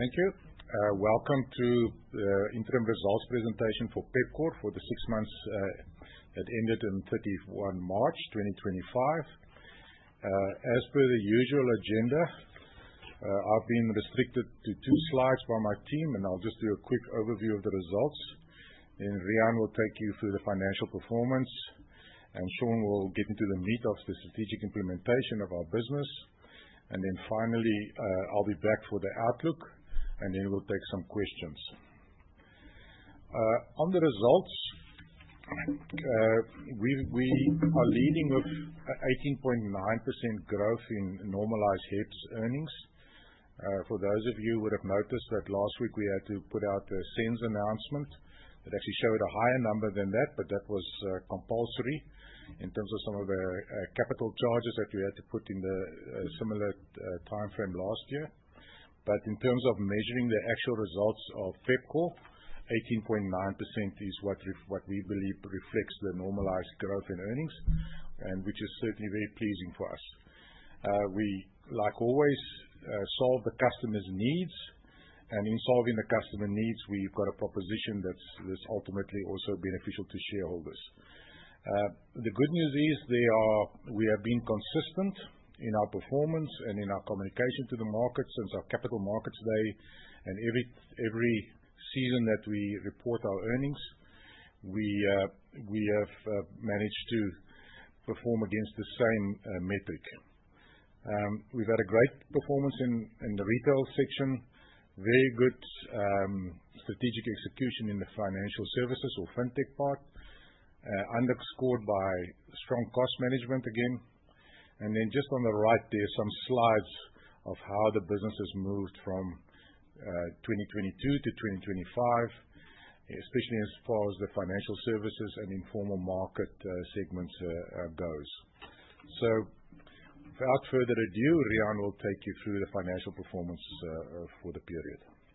Thank you. Welcome to the interim results presentation for Pepkor for the six months that ended on March 31, 2025. As per the usual agenda, I've been restricted to two slides by my team, and I'll just do a quick overview of the results. Riaan will take you through the financial performance, and Sean will get into the meat of the strategic implementation of our business. Finally, I'll be back for the outlook, and then we'll take some questions. On the results, we are leading with 18.9% growth in normalized HEPS earnings. For those of you who would have noticed that last week we had to put out a SENS announcement that actually showed a higher number than that, but that was compulsory in terms of some of the capital charges that we had to put in the similar timeframe last year. In terms of measuring the actual results of Pepkor, 18.9% is what we believe reflects the normalized growth in earnings, which is certainly very pleasing for us. We, like always, solve the customer's needs, and in solving the customer needs, we have got a proposition that is ultimately also beneficial to shareholders. The good news is we have been consistent in our performance and in our communication to the market since our capital markets day, and every season that we report our earnings, we have managed to perform against the same metric. We have had a great performance in the retail section, very good strategic execution in the financial services or fintech part, underscored by strong cost management again. Just on the right, there are some slides of how the business has moved from 2022 to 2025, especially as far as the financial services and informal market segments go. Without further ado, Riaan will take you through the financial performance for the period. Thank you,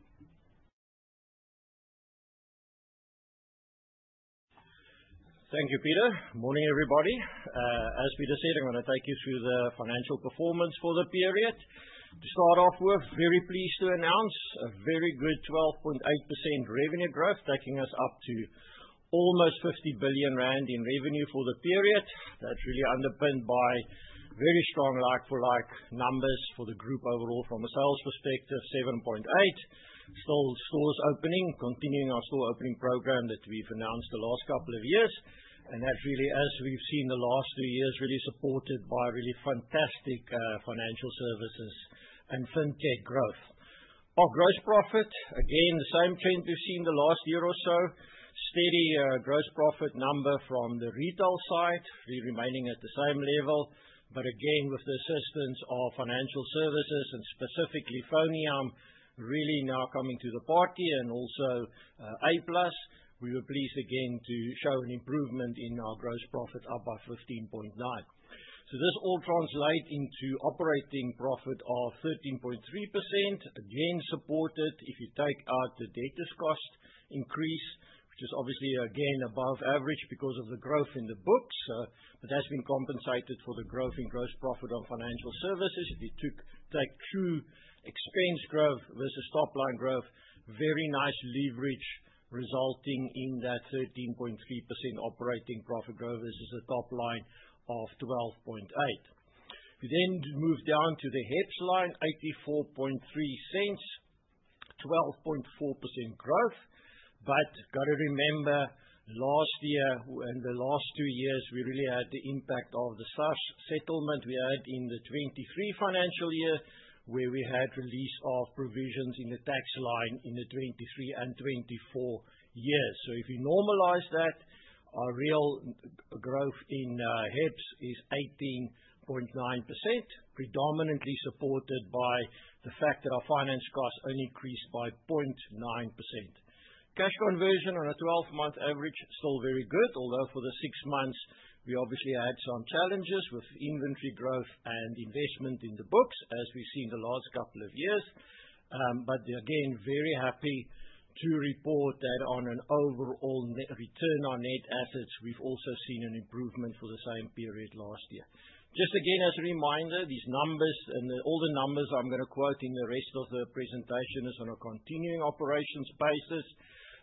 Pieter. Morning, everybody. As Pieter said, I'm going to take you through the financial performance for the period. To start off with, very pleased to announce a very good 12.8% revenue growth, taking us up to almost 50 billion rand in revenue for the period. That's really underpinned by very strong like-for-like numbers for the group overall from a sales perspective, 7.8%. Still stores opening, continuing our store opening program that we've announced the last couple of years. That really is, we've seen the last two years really supported by really fantastic financial services and fintech growth. Our gross profit, again, the same trend we've seen the last year or so, steady gross profit number from the retail side, really remaining at the same level. Again, with the assistance of financial services and specifically FoneYam, really now coming to the party and also A Plus, we were pleased again to show an improvement in our gross profit up by 15.9%. This all translates into operating profit of 13.3%, again supported if you take out the debtors' cost increase, which is obviously again above average because of the growth in the books. That has been compensated for by the growth in gross profit on financial services. If you take true expense growth versus top-line growth, very nice leverage resulting in that 13.3% operating profit growth versus the top line of 12.8%. We then move down to the HEPS line, 84.3 cents, 12.4% growth. You have to remember, last year and the last two years, we really had the impact of the SAS settlement we had in the 2023 financial year, where we had release of provisions in the tax line in the 2023 and 2024 years. If you normalize that, our real growth in HEPS is 18.9%, predominantly supported by the fact that our finance costs only increased by 0.9%. Cash conversion on a 12-month average, still very good, although for the six months, we obviously had some challenges with inventory growth and investment in the books, as we have seen the last couple of years. Again, very happy to report that on an overall return on net assets, we have also seen an improvement for the same period last year. Just again, as a reminder, these numbers and all the numbers I'm going to quote in the rest of the presentation are on a continuing operations basis.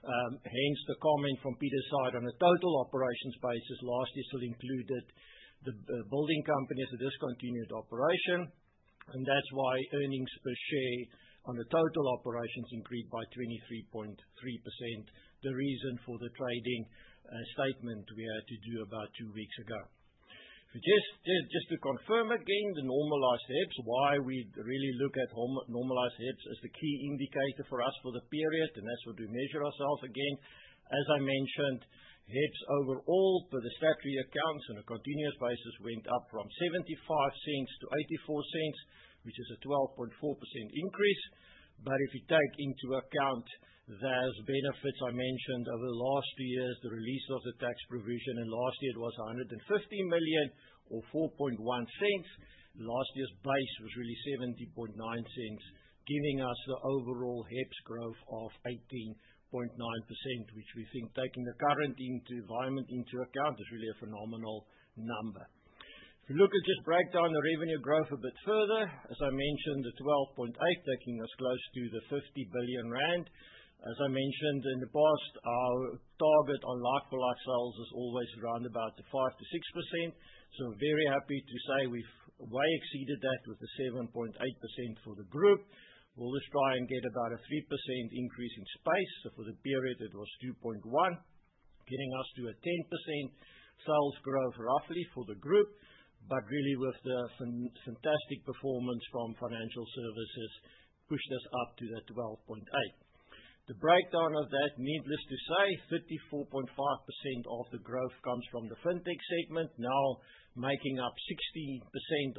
Hence, the comment from Peter's side on a total operations basis last year still included the building company as a discontinued operation. That is why earnings per share on the total operations increased by 23.3%, the reason for the trading statement we had to do about two weeks ago. Just to confirm again, the normalized HEPS, why we really look at normalized HEPS as the key indicator for us for the period, and that is what we measure ourselves again. As I mentioned, HEPS overall for the statutory accounts on a continuous basis went up from 0.75 to 0.84, which is a 12.4% increase. If you take into account those benefits I mentioned over the last two years, the release of the tax provision, and last year it was 115 million or 0.041, last year's base was really 0.709, giving us the overall HEPS growth of 18.9%, which we think, taking the current environment into account, is really a phenomenal number. If we look at just breakdown the revenue growth a bit further, as I mentioned, the 12.8% taking us close to the 50 billion rand. As I mentioned in the past, our target on like-for-like sales is always around about 5%-6%. Very happy to say we've way exceeded that with the 7.8% for the group. We'll just try and get about a 3% increase in space. For the period, it was 2.1, getting us to a 10% sales growth roughly for the group, but really with the fantastic performance from financial services, pushed us up to that 12.8%. The breakdown of that, needless to say, 34.5% of the growth comes from the fintech segment, now making up 60%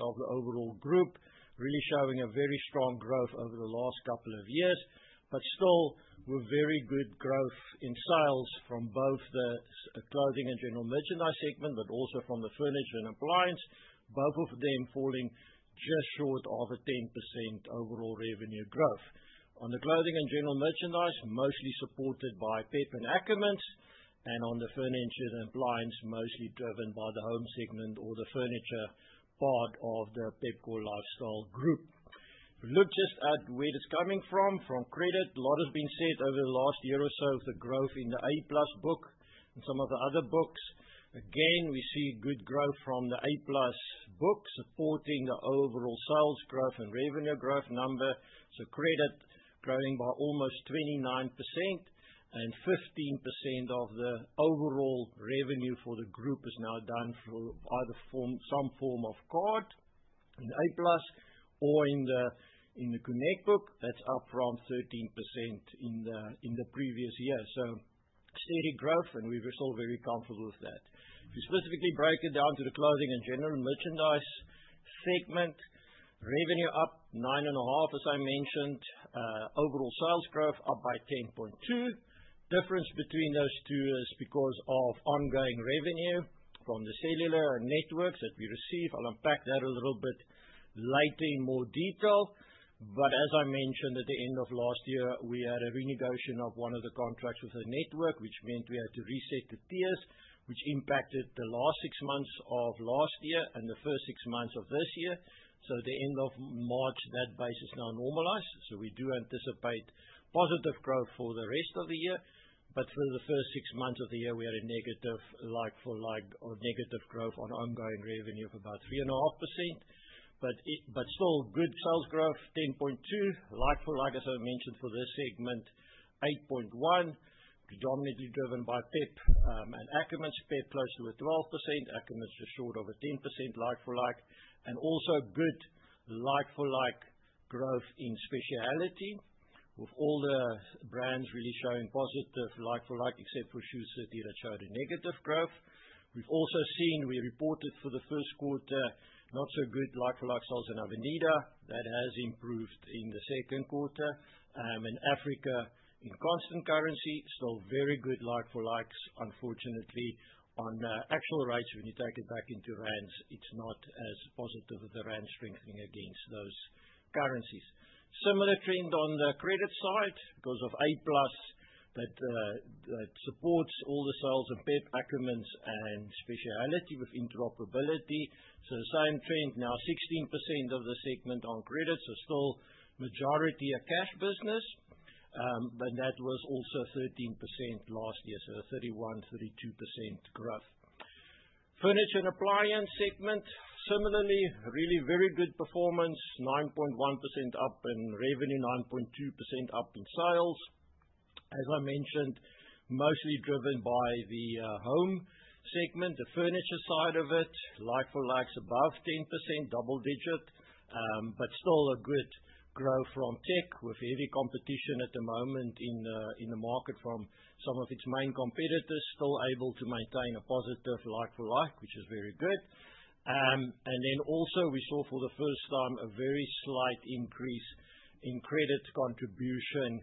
of the overall group, really showing a very strong growth over the last couple of years. Still, we are seeing very good growth in sales from both the clothing and general merchandise segment, but also from the furniture and appliance, both of them falling just short of a 10% overall revenue growth. On the clothing and general merchandise, mostly supported by Pep and Ackermans, and on the furniture and appliance, mostly driven by the home segment or the furniture part of the Pepkor Lifestyle Group. If we look just at where it's coming from, from credit, a lot has been said over the last year or so of the growth in the A Plus book and some of the other books. Again, we see good growth from the A Plus book, supporting the overall sales growth and revenue growth number. Credit growing by almost 29%, and 15% of the overall revenue for the group is now done through either some form of card in A Plus or in the Connect book. That's up from 13% in the previous year. Steady growth, and we were still very comfortable with that. If you specifically break it down to the clothing and general merchandise segment, revenue up 9.5%, as I mentioned, overall sales growth up by 10.2%. The difference between those two is because of ongoing revenue from the cellular networks that we receive. I'll unpack that a little bit later in more detail. As I mentioned, at the end of last year, we had a renegotiation of one of the contracts with the network, which meant we had to reset the tiers, which impacted the last six months of last year and the first six months of this year. At the end of March, that base is now normalized. We do anticipate positive growth for the rest of the year. For the first six months of the year, we had a negative like-for-like or negative growth on ongoing revenue of about 3.5%. Still good sales growth, 10.2% like-for-like, as I mentioned, for this segment, 8.1%, predominantly driven by Pep and Ackermans. Pep close to 12%, Ackermans just short of 10% like-for-like. Also good like-for-like growth in Speciality with all the brands really showing positive like-for-like, except for shoes that showed a negative growth. We have also seen, we reported for the first quarter, not so good like-for-like sales in Avenida. That has improved in the second quarter. Africa, in constant currency, still very good like-for-likes. Unfortunately, on actual rates, when you take it back into ZAR, it is not as positive as the rand strengthening against those currencies. Similar trend on the credit side because of A Plus that supports all the sales of Pep, Ackermans, and Speciality with interoperability. The same trend, now 16% of the segment on credit, so still majority a cash business. That was also 13% last year, so 31%-32% growth. Furniture and appliance segment, similarly, really very good performance, 9.1% up in revenue, 9.2% up in sales. As I mentioned, mostly driven by the home segment, the furniture side of it, like-for-likes above 10%, double digit, but still a good growth from tech with heavy competition at the moment in the market from some of its main competitors, still able to maintain a positive like-for-like, which is very good. Also, we saw for the first time a very slight increase in credit contribution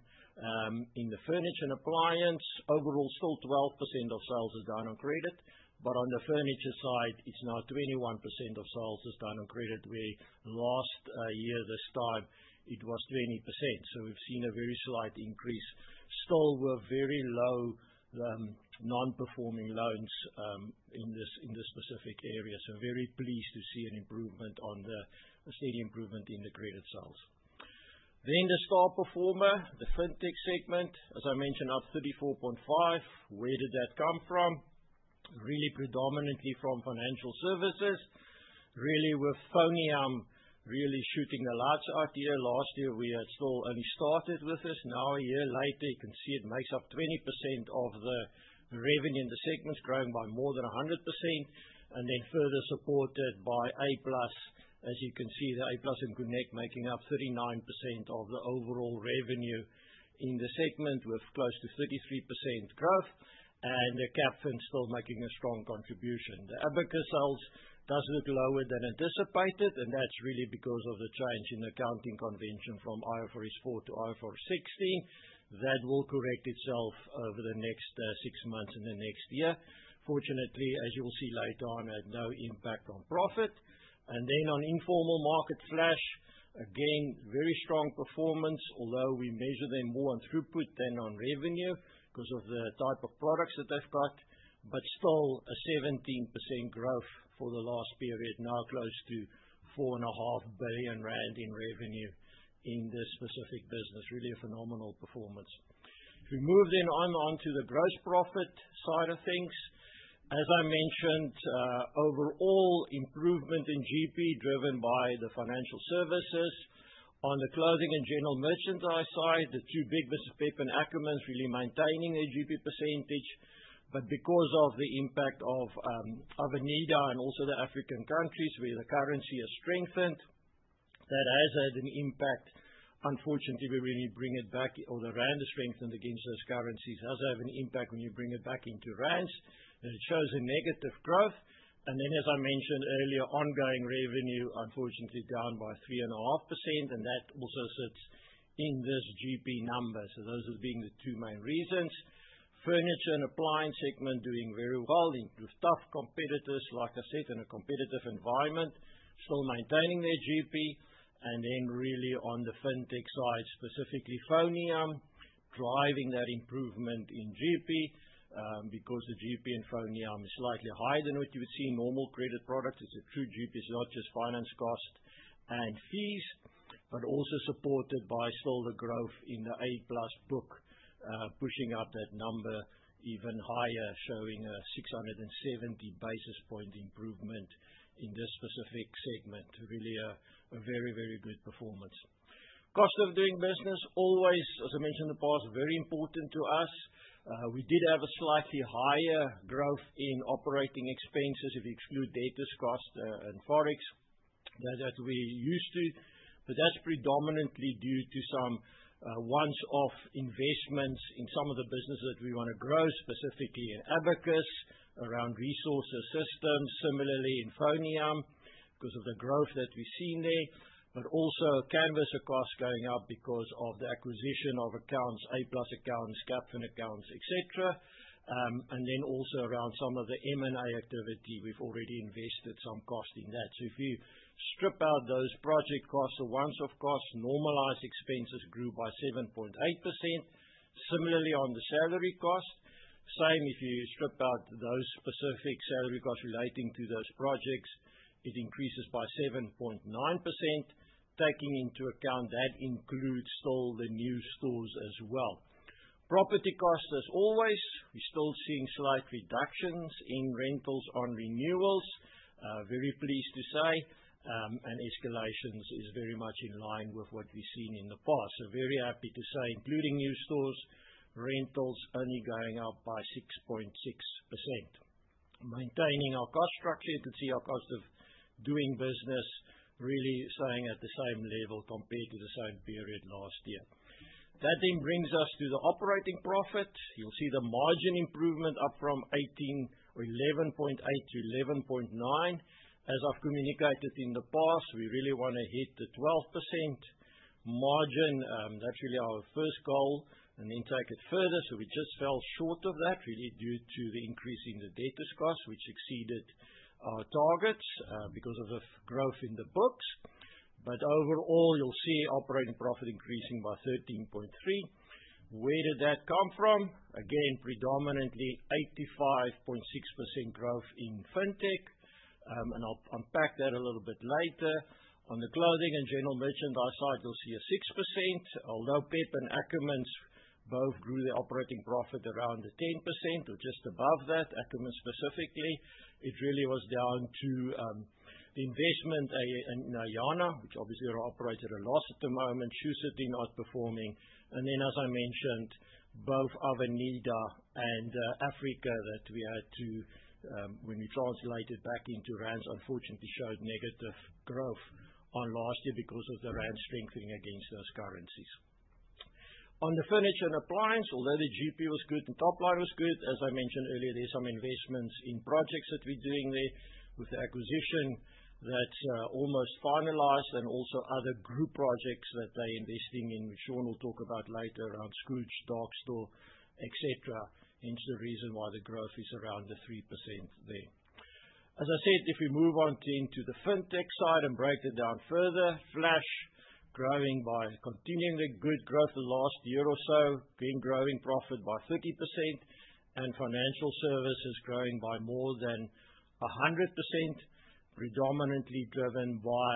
in the furniture and appliance. Overall, still 12% of sales is done on credit. On the furniture side, it is now 21% of sales is done on credit, where last year this time it was 20%. We have seen a very slight increase. Still, we are very low non-performing loans in this specific area. Very pleased to see an improvement on the steady improvement in the credit sales. The star performer, the fintech segment, as I mentioned, up 34.5%. Where did that come from? Really predominantly from financial services. Really with FoneYam really shooting a large RTO last year, we had still only started with this. Now a year later, you can see it makes up 20% of the revenue in the segment, growing by more than 100%. Further supported by A Plus, as you can see, the A Plus and Connect making up 39% of the overall revenue in the segment with close to 33% growth. The Capfin still making a strong contribution. The Abacus sales does look lower than anticipated, and that's really because of the change in the accounting convention from IFRS 4 to IFRS 16. That will correct itself over the next six months and the next year. Fortunately, as you will see later on, it had no impact on profit. On informal market Flash, again, very strong performance, although we measure them more on throughput than on revenue because of the type of products that they've got. Still, a 17% growth for the last period, now close to 4.5 billion rand in revenue in this specific business, really a phenomenal performance. If we move then onto the gross profit side of things, as I mentioned, overall improvement in GP driven by the financial services. On the clothing and general merchandise side, the two big bits of Pep and Ackermans really maintaining their GP percentage. Because of the impact of Avenida and also the African countries where the currency has strengthened, that has had an impact. Unfortunately, we really bring it back or the rand has strengthened against those currencies. It has to have an impact when you bring it back into rands. It shows a negative growth. As I mentioned earlier, ongoing revenue, unfortunately, down by 3.5%. That also sits in this GP number. Those are being the two main reasons. Furniture and appliance segment doing very well with tough competitors, like I said, in a competitive environment, still maintaining their GP. Really on the fintech side, specifically FoneYam, driving that improvement in GP because the GP in FoneYam is slightly higher than what you would see in normal credit products. It is a true GP. It is not just finance cost and fees, but also supported by still the growth in the A Plus book, pushing up that number even higher, showing a 670 basis point improvement in this specific segment. Really a very, very good performance. Cost of doing business, always, as I mentioned in the past, very important to us. We did have a slightly higher growth in operating expenses if you exclude debtors cost and forex that we used to. That is predominantly due to some once-off investments in some of the businesses that we want to grow, specifically in Abacus, around resources systems, similarly in FoneYam because of the growth that we have seen there. Also, canvassor costs going up because of the acquisition of accounts, A Plus accounts, Capfin accounts, etc. Also, around some of the M&A activity, we have already invested some cost in that. If you strip out those project costs, the once-off costs, normalized expenses grew by 7.8%. Similarly, on the salary cost, same if you strip out those specific salary costs relating to those projects, it increases by 7.9%. Taking into account that includes still the new stores as well. Property costs, as always, we're still seeing slight reductions in rentals on renewals. Very pleased to say, and escalations is very much in line with what we've seen in the past. Very happy to say, including new stores, rentals only going up by 6.6%. Maintaining our cost structure, you can see our cost of doing business really staying at the same level compared to the same period last year. That then brings us to the operating profit. You'll see the margin improvement up from 11.8% to 11.9%. As I've communicated in the past, we really want to hit the 12% margin. That's really our first goal. Then take it further. We just fell short of that, really due to the increase in the debtors cost, which exceeded our targets because of the growth in the books. Overall, you'll see operating profit increasing by 13.3%. Where did that come from? Again, predominantly 85.6% growth in fintech. I'll unpack that a little bit later. On the clothing and general merchandise side, you'll see a 6%. Although Pep and Ackermans both grew their operating profit around the 10% or just above that, Ackermans specifically, it really was down to the investment in Ayana, which obviously are operating at a loss at the moment, shoes are not performing. As I mentioned, both Avenida and Africa that we had to, when we translated back into rand, unfortunately showed negative growth on last year because of the rand strengthening against those currencies. On the furniture and appliance, although the GP was good and top line was good, as I mentioned earlier, there's some investments in projects that we're doing there with the acquisition that's almost finalized and also other group projects that they're investing in, which Sean will talk about later around Scrooge, Darkstore, etc. Hence the reason why the growth is around the 3% there. As I said, if we move on then to the fintech side and break it down further, Flash growing by continuing the good growth the last year or so, again growing profit by 30%, and financial services growing by more than 100%, predominantly driven by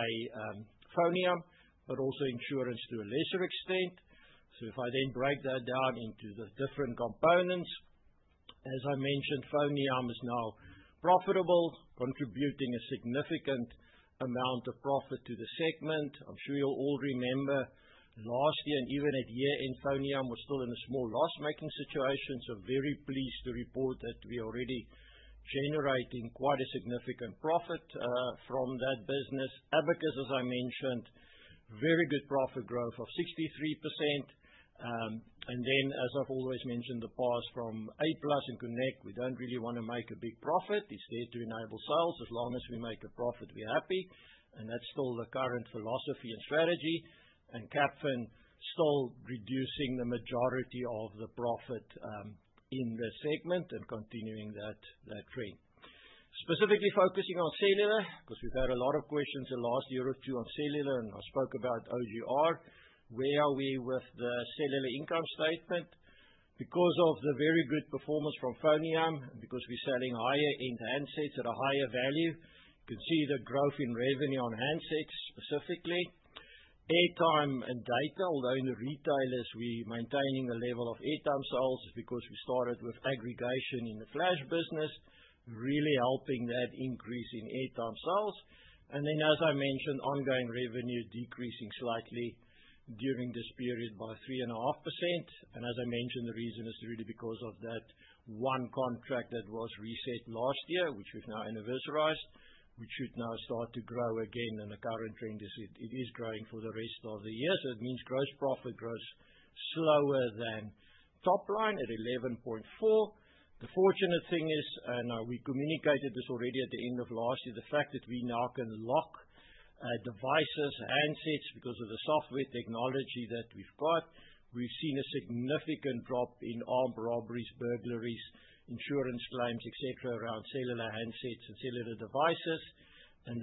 FoneYam, but also insurance to a lesser extent. If I then break that down into the different components, as I mentioned, FoneYam is now profitable, contributing a significant amount of profit to the segment. I'm sure you'll all remember last year and even at year-end, FoneYam was still in a small loss-making situation. Very pleased to report that we are already generating quite a significant profit from that business. Abacus, as I mentioned, very good profit growth of 63%. As I've always mentioned in the past, from A Plus and Connect, we do not really want to make a big profit. It is there to enable sales. As long as we make a profit, we're happy. That is still the current philosophy and strategy. Capfin still reducing the majority of the profit in the segment and continuing that trend. Specifically focusing on cellular, because we've had a lot of questions the last year or two on cellular, and I spoke about OGR. Where are we with the cellular income statement? Because of the very good performance from FoneYam, because we're selling higher-end handsets at a higher value. You can see the growth in revenue on handsets specifically. Airtime and data, although in the retailers, we're maintaining a level of airtime sales because we started with aggregation in the Flash business, really helping that increase in airtime sales. As I mentioned, ongoing revenue decreasing slightly during this period by 3.5%. As I mentioned, the reason is really because of that one contract that was reset last year, which we've now inverterized, which should now start to grow again. The current trend is it is growing for the rest of the year. It means gross profit grows slower than top line at 11.4%. The fortunate thing is, and we communicated this already at the end of last year, the fact that we now can lock devices, handsets because of the software technology that we've got. We've seen a significant drop in armed robberies, burglaries, insurance claims, etc. around cellular handsets and cellular devices.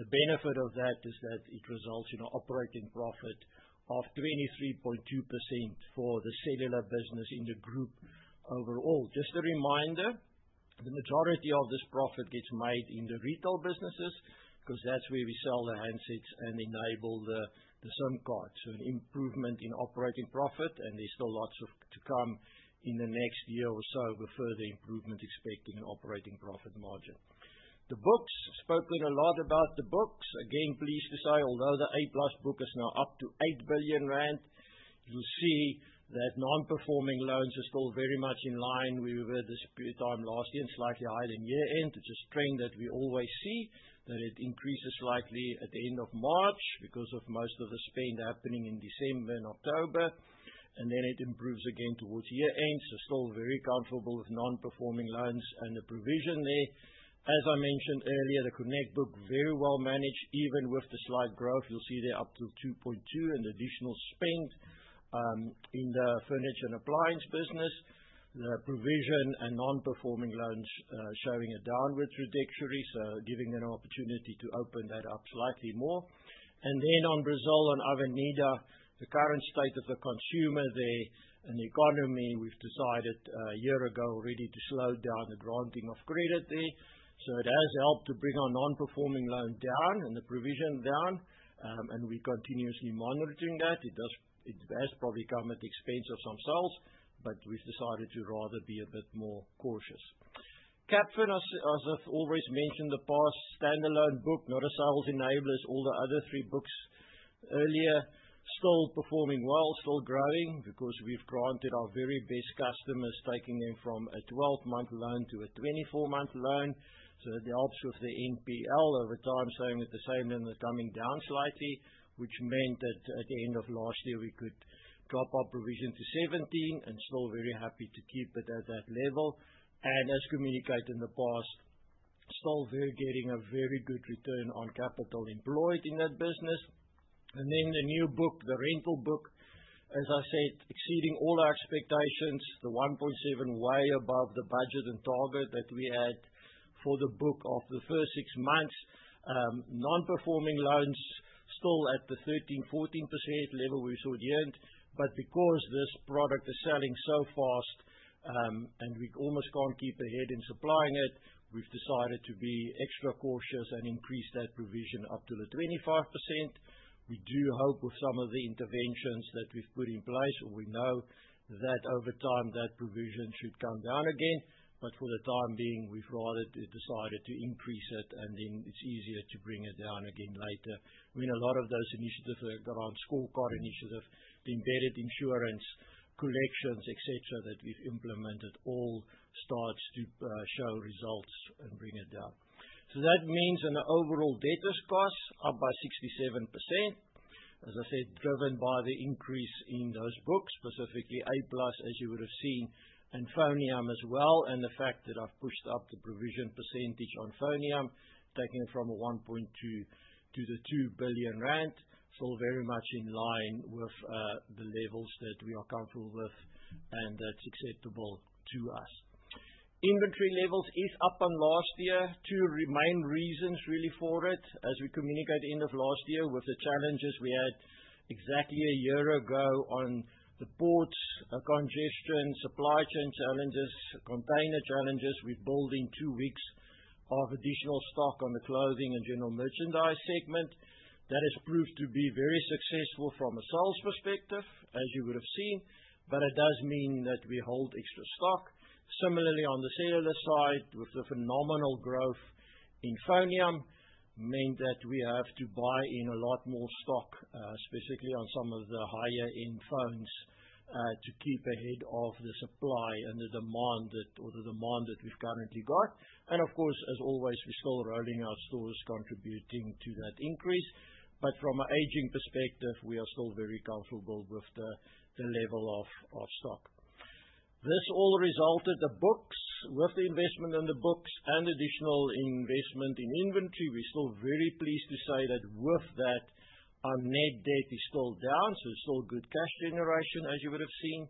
The benefit of that is that it results in an operating profit of 23.2% for the cellular business in the group overall. Just a reminder, the majority of this profit gets made in the retail businesses because that's where we sell the handsets and enable the SIM card. An improvement in operating profit, and there's still lots to come in the next year or so with further improvement expecting an operating profit margin. The books, spoken a lot about the books. Again, pleased to say, although the A Plus book is now up to 8 billion rand, you'll see that non-performing loans are still very much in line with this period time last year and slightly higher than year-end. It's a trend that we always see, that it increases slightly at the end of March because of most of the spend happening in December and October. It improves again towards year-end. Still very comfortable with non-performing loans and the provision there. As I mentioned earlier, the Connect book very well managed, even with the slight growth. You'll see there up to 2.2% and additional spend in the furniture and appliance business. The provision and non-performing loans showing a downward trajectory, giving an opportunity to open that up slightly more. On Brazil, on Avenida, the current state of the consumer there and the economy, we decided a year ago already to slow down the granting of credit there. It has helped to bring our non-performing loan down and the provision down. We are continuously monitoring that. It has probably come at the expense of some sales, but we decided to rather be a bit more cautious. Capfin, as I have always mentioned in the past, standalone book, not a sales enabler, is all the other three books earlier, still performing well, still growing because we have granted our very best customers, taking them from a 12-month loan to a 24-month loan. It helps with the NPL over time, staying at the same level and coming down slightly, which meant that at the end of last year, we could drop our provision to 17% and still very happy to keep it at that level. As communicated in the past, still getting a very good return on capital employed in that business. The new book, the rental book, as I said, exceeding all our expectations, the 1.7% way above the budget and target that we had for the book of the first six months. Non-performing loans still at the 13%-14% level we saw at the end. Because this product is selling so fast and we almost cannot keep ahead in supplying it, we have decided to be extra cautious and increase that provision up to the 25%. We do hope with some of the interventions that we've put in place, or we know that over time that provision should come down again. For the time being, we've rather decided to increase it, and then it's easier to bring it down again later. When a lot of those initiatives that are around scorecard initiative, the embedded insurance collections, etc., that we've implemented all starts to show results and bring it down. That means on the overall debtors cost, up by 67%, as I said, driven by the increase in those books, specifically A Plus, as you would have seen, and FoneYam as well. The fact that I've pushed up the provision percentage on FoneYam, taking it from 1.2% to the 2 billion rand, still very much in line with the levels that we are comfortable with and that's acceptable to us. Inventory levels is up on last year. Two main reasons really for it, as we communicated at the end of last year with the challenges we had exactly a year ago on the ports, congestion, supply chain challenges, container challenges. We are building two weeks of additional stock on the clothing and general merchandise segment. That has proved to be very successful from a sales perspective, as you would have seen, but it does mean that we hold extra stock. Similarly, on the cellular side, with the phenomenal growth in FoneYam, meant that we have to buy in a lot more stock, specifically on some of the higher-end phones, to keep ahead of the supply and the demand that we have currently got. Of course, as always, we are still rolling out stores, contributing to that increase. From an aging perspective, we are still very comfortable with the level of stock. This all resulted in the books, with the investment in the books and additional investment in inventory. We're still very pleased to say that with that, our net debt is still down, so it's still good cash generation, as you would have seen.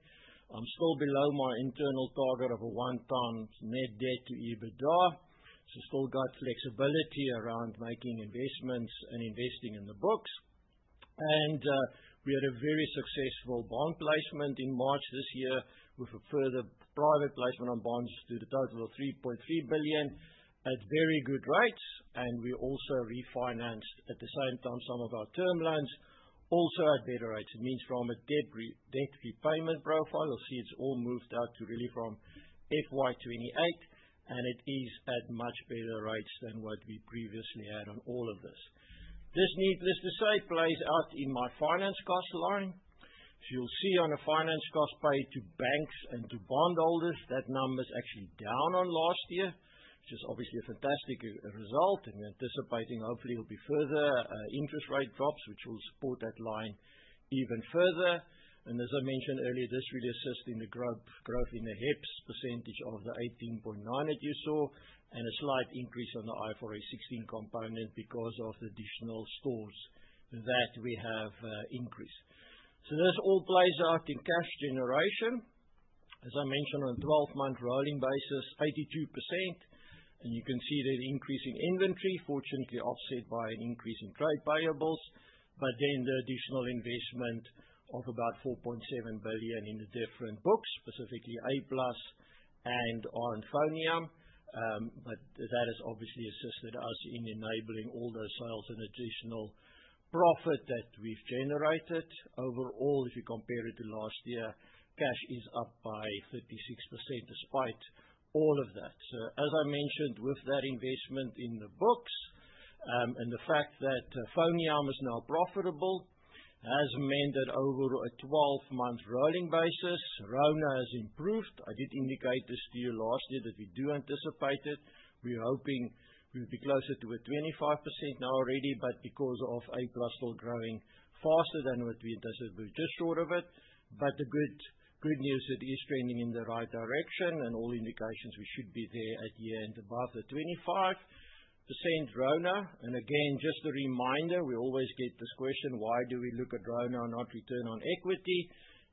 I'm still below my internal target of a 1-ton net debt to EBITDA, so still got flexibility around making investments and investing in the books. We had a very successful bond placement in March this year with a further private placement on bonds to the total of 3.3 billion at very good rates. We also refinanced at the same time some of our term loans also at better rates. It means from a debt repayment profile, you'll see it's all moved out to really from FY2028, and it is at much better rates than what we previously had on all of this. This needless to say plays out in my finance cost line. You will see on the finance cost paid to banks and to bondholders, that number is actually down on last year, which is obviously a fantastic result. We are anticipating, hopefully, there will be further interest rate drops, which will support that line even further. As I mentioned earlier, this really assisted in the growth in the HEPS % of the 18.9% that you saw, and a slight increase on the IFRS 16 component because of the additional stores that we have increased. This all plays out in cash generation. As I mentioned, on a 12-month rolling basis, 82%. You can see that increasing inventory, fortunately offset by an increase in trade variables, but then the additional investment of about 4.7 billion in the different books, specifically A Plus and on FoneYam. That has obviously assisted us in enabling all those sales and additional profit that we've generated. Overall, if you compare it to last year, cash is up by 36% despite all of that. As I mentioned, with that investment in the books and the fact that FoneYam is now profitable, it has meant that over a 12-month rolling basis, RONA has improved. I did indicate this to you last year that we do anticipate it. We're hoping we'll be closer to a 25% now already, but because of A Plus still growing faster than what we anticipated, we're just short of it. The good news is that it is trending in the right direction, and all indications are we should be there at year-end above the 25% RONA. Again, just a reminder, we always get this question, why do we look at RONA and not return on equity?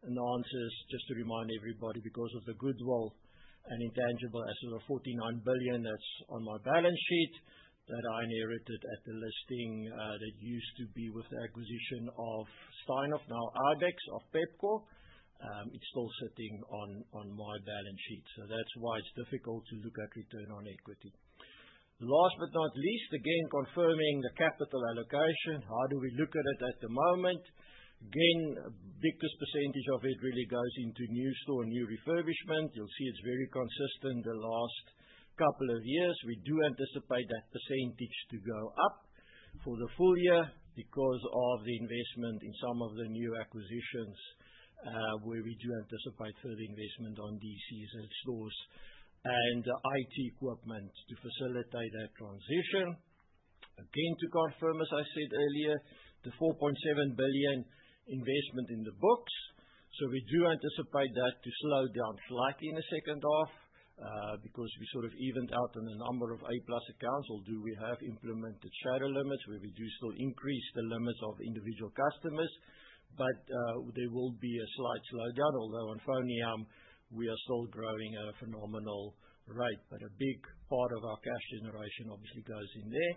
The answer is just to remind everybody, because of the goodwill and intangible assets of 49 billion that is on my balance sheet that I inherited at the listing that used to be with the acquisition of Steinhoff, now IBEX of Pepkor. It is still sitting on my balance sheet. That is why it is difficult to look at return on equity. Last but not least, again, confirming the capital allocation, how do we look at it at the moment? Again, the biggest % of it really goes into new store and new refurbishment. You will see it is very consistent the last couple of years. We do anticipate that % to go up for the full year because of the investment in some of the new acquisitions where we do anticipate further investment on DCs and stores and IT equipment to facilitate that transition. Again, to confirm, as I said earlier, the 4.7 billion investment in the books. We do anticipate that to slow down slightly in the second half because we sort of evened out on a number of A Plus accounts. Although we have implemented shadow limits where we do still increase the limits of individual customers, there will be a slight slowdown, although on FoneYam, we are still growing at a phenomenal rate. A big part of our cash generation obviously goes in there.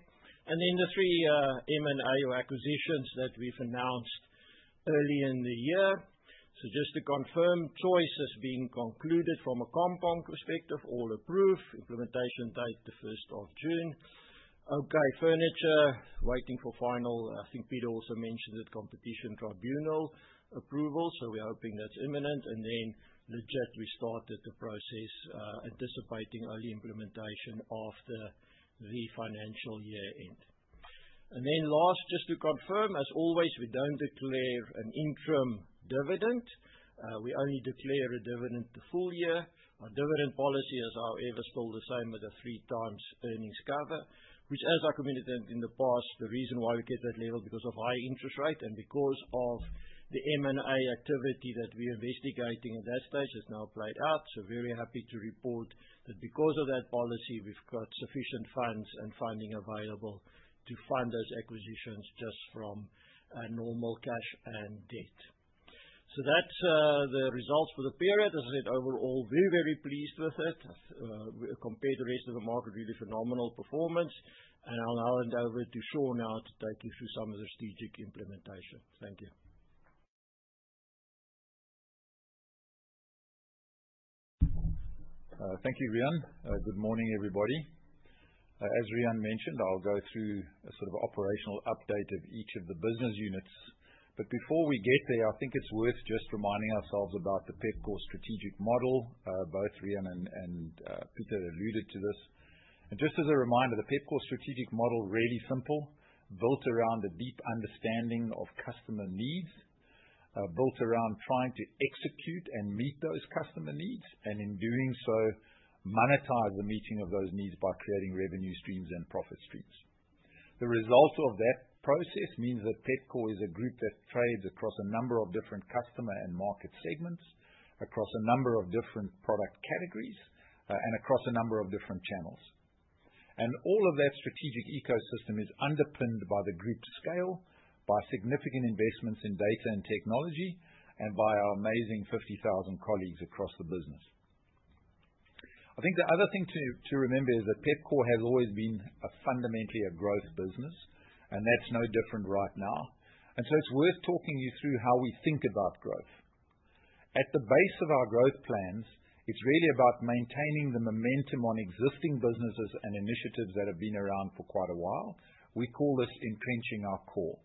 The three M&A or acquisitions that we have announced early in the year. Just to confirm, Choice Clothing is being concluded from a compound perspective, all approved. Implementation date the 1st of June. OK Furniture, waiting for final. I think Pieter also mentioned that competition tribunal approval, we are hoping that is imminent. Legit, we started the process anticipating early implementation after the financial year-end. Last, just to confirm, as always, we do not declare an interim dividend. We only declare a dividend at the full year. Our dividend policy is, however, still the same with a three-times earnings cover, which, as I communicated in the past, the reason why we get that level is because of high interest rate and because of the M&A activity that we were investigating at that stage, which has now played out. Very happy to report that because of that policy, we have sufficient funds and funding available to fund those acquisitions just from normal cash and debt. That is the results for the period. As I said, overall, very, very pleased with it. Compared to the rest of the market, really phenomenal performance. I'll now hand over to Sean to take you through some of the strategic implementation. Thank you. Thank you, Riaan. Good morning, everybody. As Riaan mentioned, I'll go through a sort of operational update of each of the business units. Before we get there, I think it's worth just reminding ourselves about the Pepkor Strategic Model. Both Riaan and Pieter alluded to this. Just as a reminder, the Pepkor Strategic Model is really simple, built around a deep understanding of customer needs, built around trying to execute and meet those customer needs, and in doing so, monetize the meeting of those needs by creating revenue streams and profit streams. The result of that process means that Pepkor is a group that trades across a number of different customer and market segments, across a number of different product categories, and across a number of different channels. All of that strategic ecosystem is underpinned by the group scale, by significant investments in data and technology, and by our amazing 50,000 colleagues across the business. I think the other thing to remember is that Pepkor has always been fundamentally a growth business, and that's no different right now. It is worth talking you through how we think about growth. At the base of our growth plans, it's really about maintaining the momentum on existing businesses and initiatives that have been around for quite a while. We call this entrenching our core.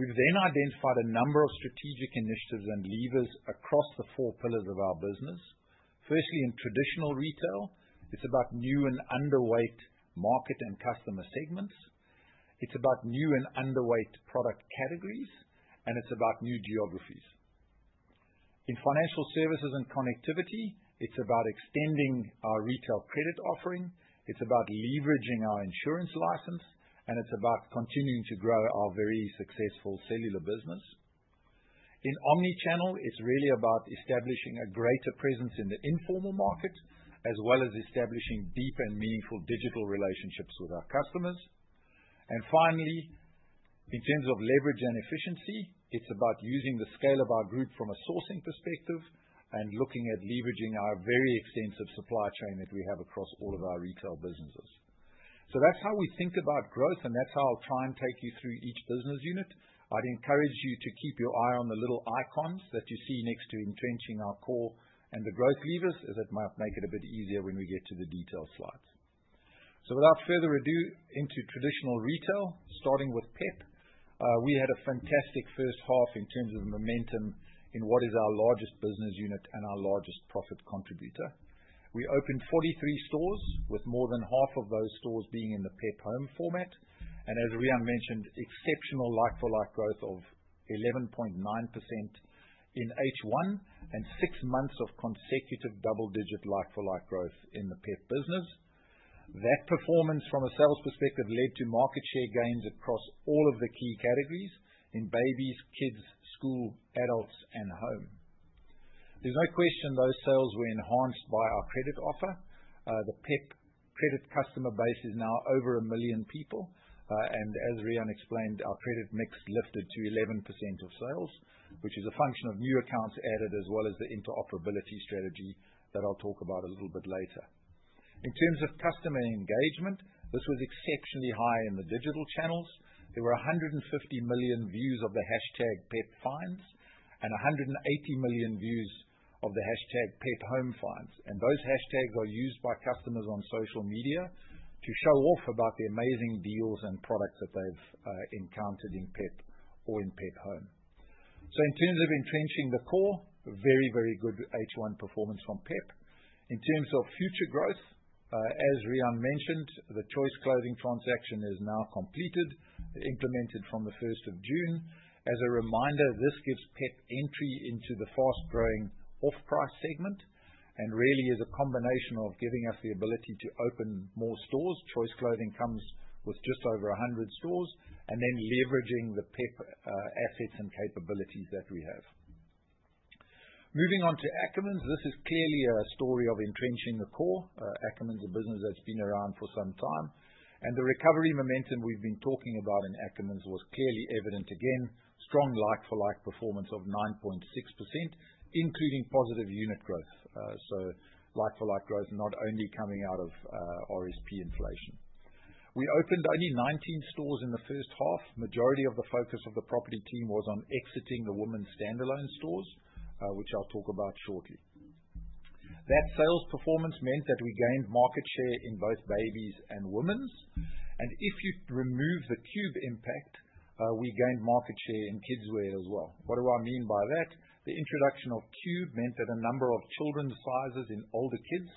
We have then identified a number of strategic initiatives and levers across the four pillars of our business. Firstly, in traditional retail, it's about new and underweight market and customer segments. It's about new and underweight product categories, and it's about new geographies. In financial services and connectivity, it's about extending our retail credit offering. is about leveraging our insurance license, and it is about continuing to grow our very successful cellular business. In omnichannel, it is really about establishing a greater presence in the informal market, as well as establishing deep and meaningful digital relationships with our customers. Finally, in terms of leverage and efficiency, it is about using the scale of our group from a sourcing perspective and looking at leveraging our very extensive supply chain that we have across all of our retail businesses. That is how we think about growth, and that is how I will try and take you through each business unit. I would encourage you to keep your eye on the little icons that you see next to entrenching our core and the growth levers, as it might make it a bit easier when we get to the detailed slides. Without further ado, into traditional retail, starting with Pep, we had a fantastic first half in terms of momentum in what is our largest business unit and our largest profit contributor. We opened 43 stores, with more than half of those stores being in the Pep Home format. As Riaan mentioned, exceptional like-for-like growth of 11.9% in H1 and six months of consecutive double-digit like-for-like growth in the Pep business. That performance from a sales perspective led to market share gains across all of the key categories in babies, kids, school, adults, and home. There is no question those sales were enhanced by our credit offer. The Pep credit customer base is now over 1 million people. As Riaan explained, our credit mix lifted to 11% of sales, which is a function of new accounts added as well as the interoperability strategy that I'll talk about a little bit later. In terms of customer engagement, this was exceptionally high in the digital channels. There were 150 million views of the hashtag Pep Finds and 180 million views of the hashtag Pep Home Finds. Those hashtags are used by customers on social media to show off about the amazing deals and products that they've encountered in Pep or in Pep Home. In terms of entrenching the core, very, very good H1 performance from Pep. In terms of future growth, as Riaan mentioned, the Choice Clothing transaction is now completed, implemented from the 1st of June. As a reminder, this gives Pep entry into the fast-growing off-price segment and really is a combination of giving us the ability to open more stores. Choice Clothing comes with just over 100 stores and then leveraging the Pep assets and capabilities that we have. Moving on to Ackermans, this is clearly a story of entrenching the core. Ackermans a business that's been around for some time. The recovery momentum we've been talking about in Ackermans was clearly evident again, strong like-for-like performance of 9.6%, including positive unit growth. Like-for-like growth not only coming out of RSP inflation. We opened only 19 stores in the first half. Majority of the focus of the property team was on exiting the women's standalone stores, which I'll talk about shortly. That sales performance meant that we gained market share in both babies and womens. If you remove the Cube impact, we gained market share in kids wear as well. What do I mean by that? The introduction of Cube meant that a number of children's sizes in older kids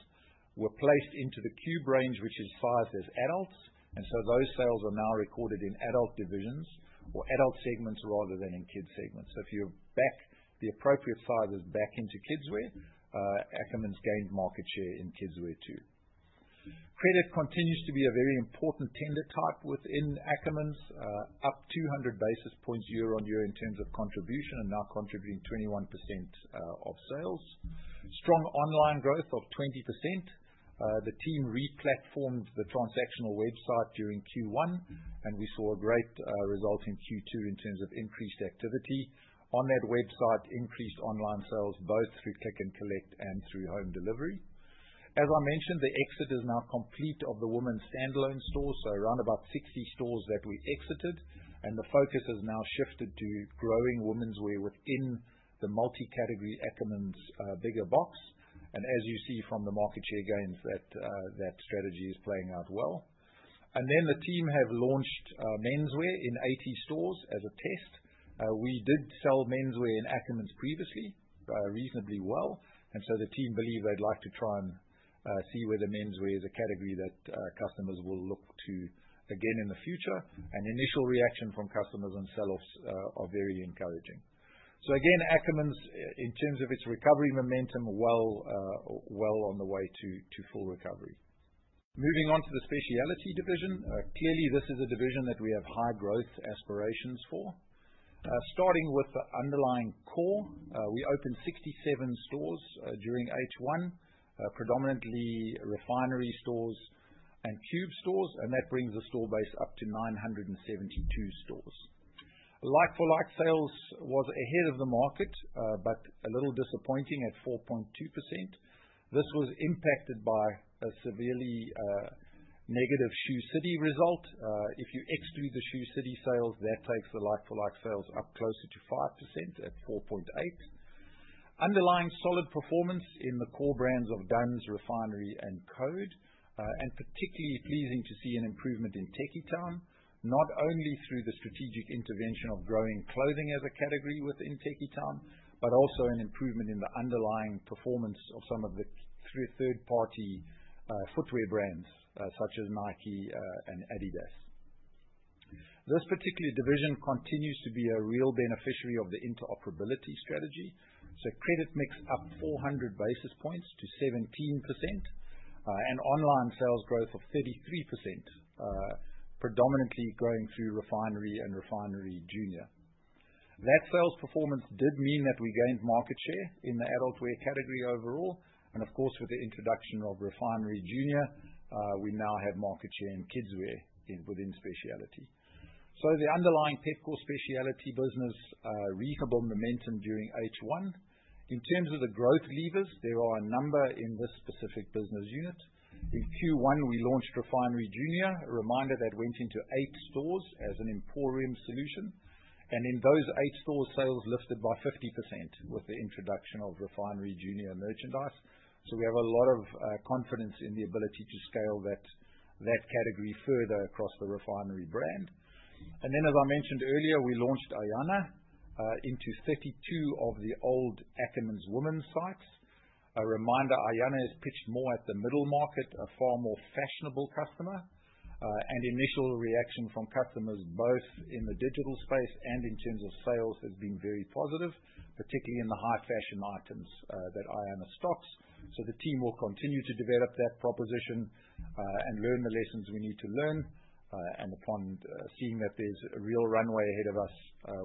were placed into the Cube range, which is sized as adults. Those sales are now recorded in adult divisions or adult segments rather than in kid segments. If you back the appropriate sizes back into kids wear, Ackermans gained market share in kids wear too. Credit continues to be a very important tender type within Ackermans, up 200 basis points year on year in terms of contribution and now contributing 21% of sales. Strong online growth of 20%. The team replatformed the transactional website during Q1, and we saw a great result in Q2 in terms of increased activity on that website, increased online sales both through click and collect and through home delivery. As I mentioned, the exit is now complete of the women's standalone stores, so around about 60 stores that we exited. The focus has now shifted to growing women's wear within the multi-category Ackermans bigger box. As you see from the market share gains, that strategy is playing out well. The team have launched men's wear in 80 stores as a test. We did sell men's wear in Ackermans previously reasonably well. The team believe they'd like to try and see whether men's wear is a category that customers will look to again in the future. Initial reaction from customers and sell-offs are very encouraging. Again, Ackermans, in terms of its recovery momentum, well on the way to full recovery. Moving on to the Speciality division, clearly this is a division that we have high growth aspirations for. Starting with the underlying core, we opened 67 stores during H1, predominantly Refinery stores and Cube stores, and that brings the store base up to 972 stores. Like-for-like sales was ahead of the market, but a little disappointing at 4.2%. This was impacted by a severely negative Shoe City result. If you exclude the Shoe City sales, that takes the like-for-like sales up closer to 5% at 4.8%. Underlying solid performance in the core brands of Duns, Refinery, and Code, and particularly pleasing to see an improvement in Techitown, not only through the strategic intervention of growing clothing as a category within Techitown, but also an improvement in the underlying performance of some of the third-party footwear brands such as Nike and Adidas. This particular division continues to be a real beneficiary of the interoperability strategy. Credit mix up 400 basis points to 17% and online sales growth of 33%, predominantly growing through Refinery and Refinery Junior. That sales performance did mean that we gained market share in the adult wear category overall. With the introduction of Refinery Junior, we now have market share in kids wear within specialty. The underlying Pepkor Speciality business had reasonable momentum during H1. In terms of the growth levers, there are a number in this specific business unit. In Q1, we launched Refinery Junior, a reminder that went into eight stores as an Emporium solution. In those eight stores, sales lifted by 50% with the introduction of Refinery Junior merchandise. We have a lot of confidence in the ability to scale that category further across the Refinery brand. As I mentioned earlier, we launched Ayana into 32 of the old Ackermans women's sites. A reminder, Ayana is pitched more at the middle market, a far more fashionable customer. Initial reaction from customers, both in the digital space and in terms of sales, has been very positive, particularly in the high fashion items that Ayana stocks. The team will continue to develop that proposition and learn the lessons we need to learn. Upon seeing that there is a real runway ahead of us,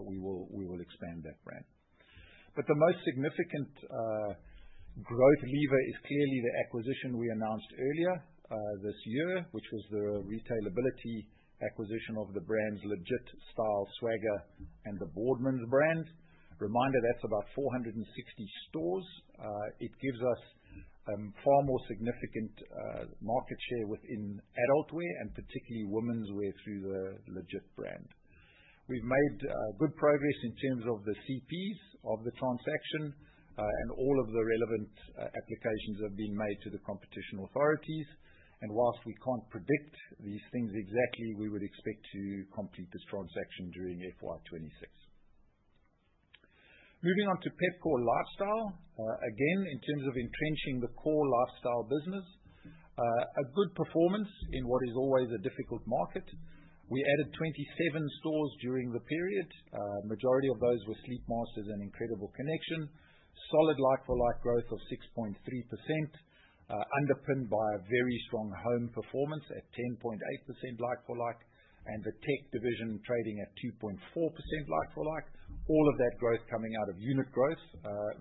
we will expand that brand. The most significant growth lever is clearly the acquisition we announced earlier this year, which was the Retailability acquisition of the brands Legit Style, Swagger, and the Boardman's brand. Reminder, that's about 460 stores. It gives us far more significant market share within adult wear and particularly women's wear through the Legit brand. We've made good progress in terms of the CPs of the transaction, and all of the relevant applications have been made to the competition authorities. Whilst we can't predict these things exactly, we would expect to complete this transaction during FY2026. Moving on to Pepkor Lifestyle. Again, in terms of entrenching the core lifestyle business, a good performance in what is always a difficult market. We added 27 stores during the period. Majority of those were Sleepmaster and Incredible Connection. Solid like-for-like growth of 6.3%, underpinned by a very strong home performance at 10.8% like-for-like and the tech division trading at 2.4% like-for-like. All of that growth coming out of unit growth,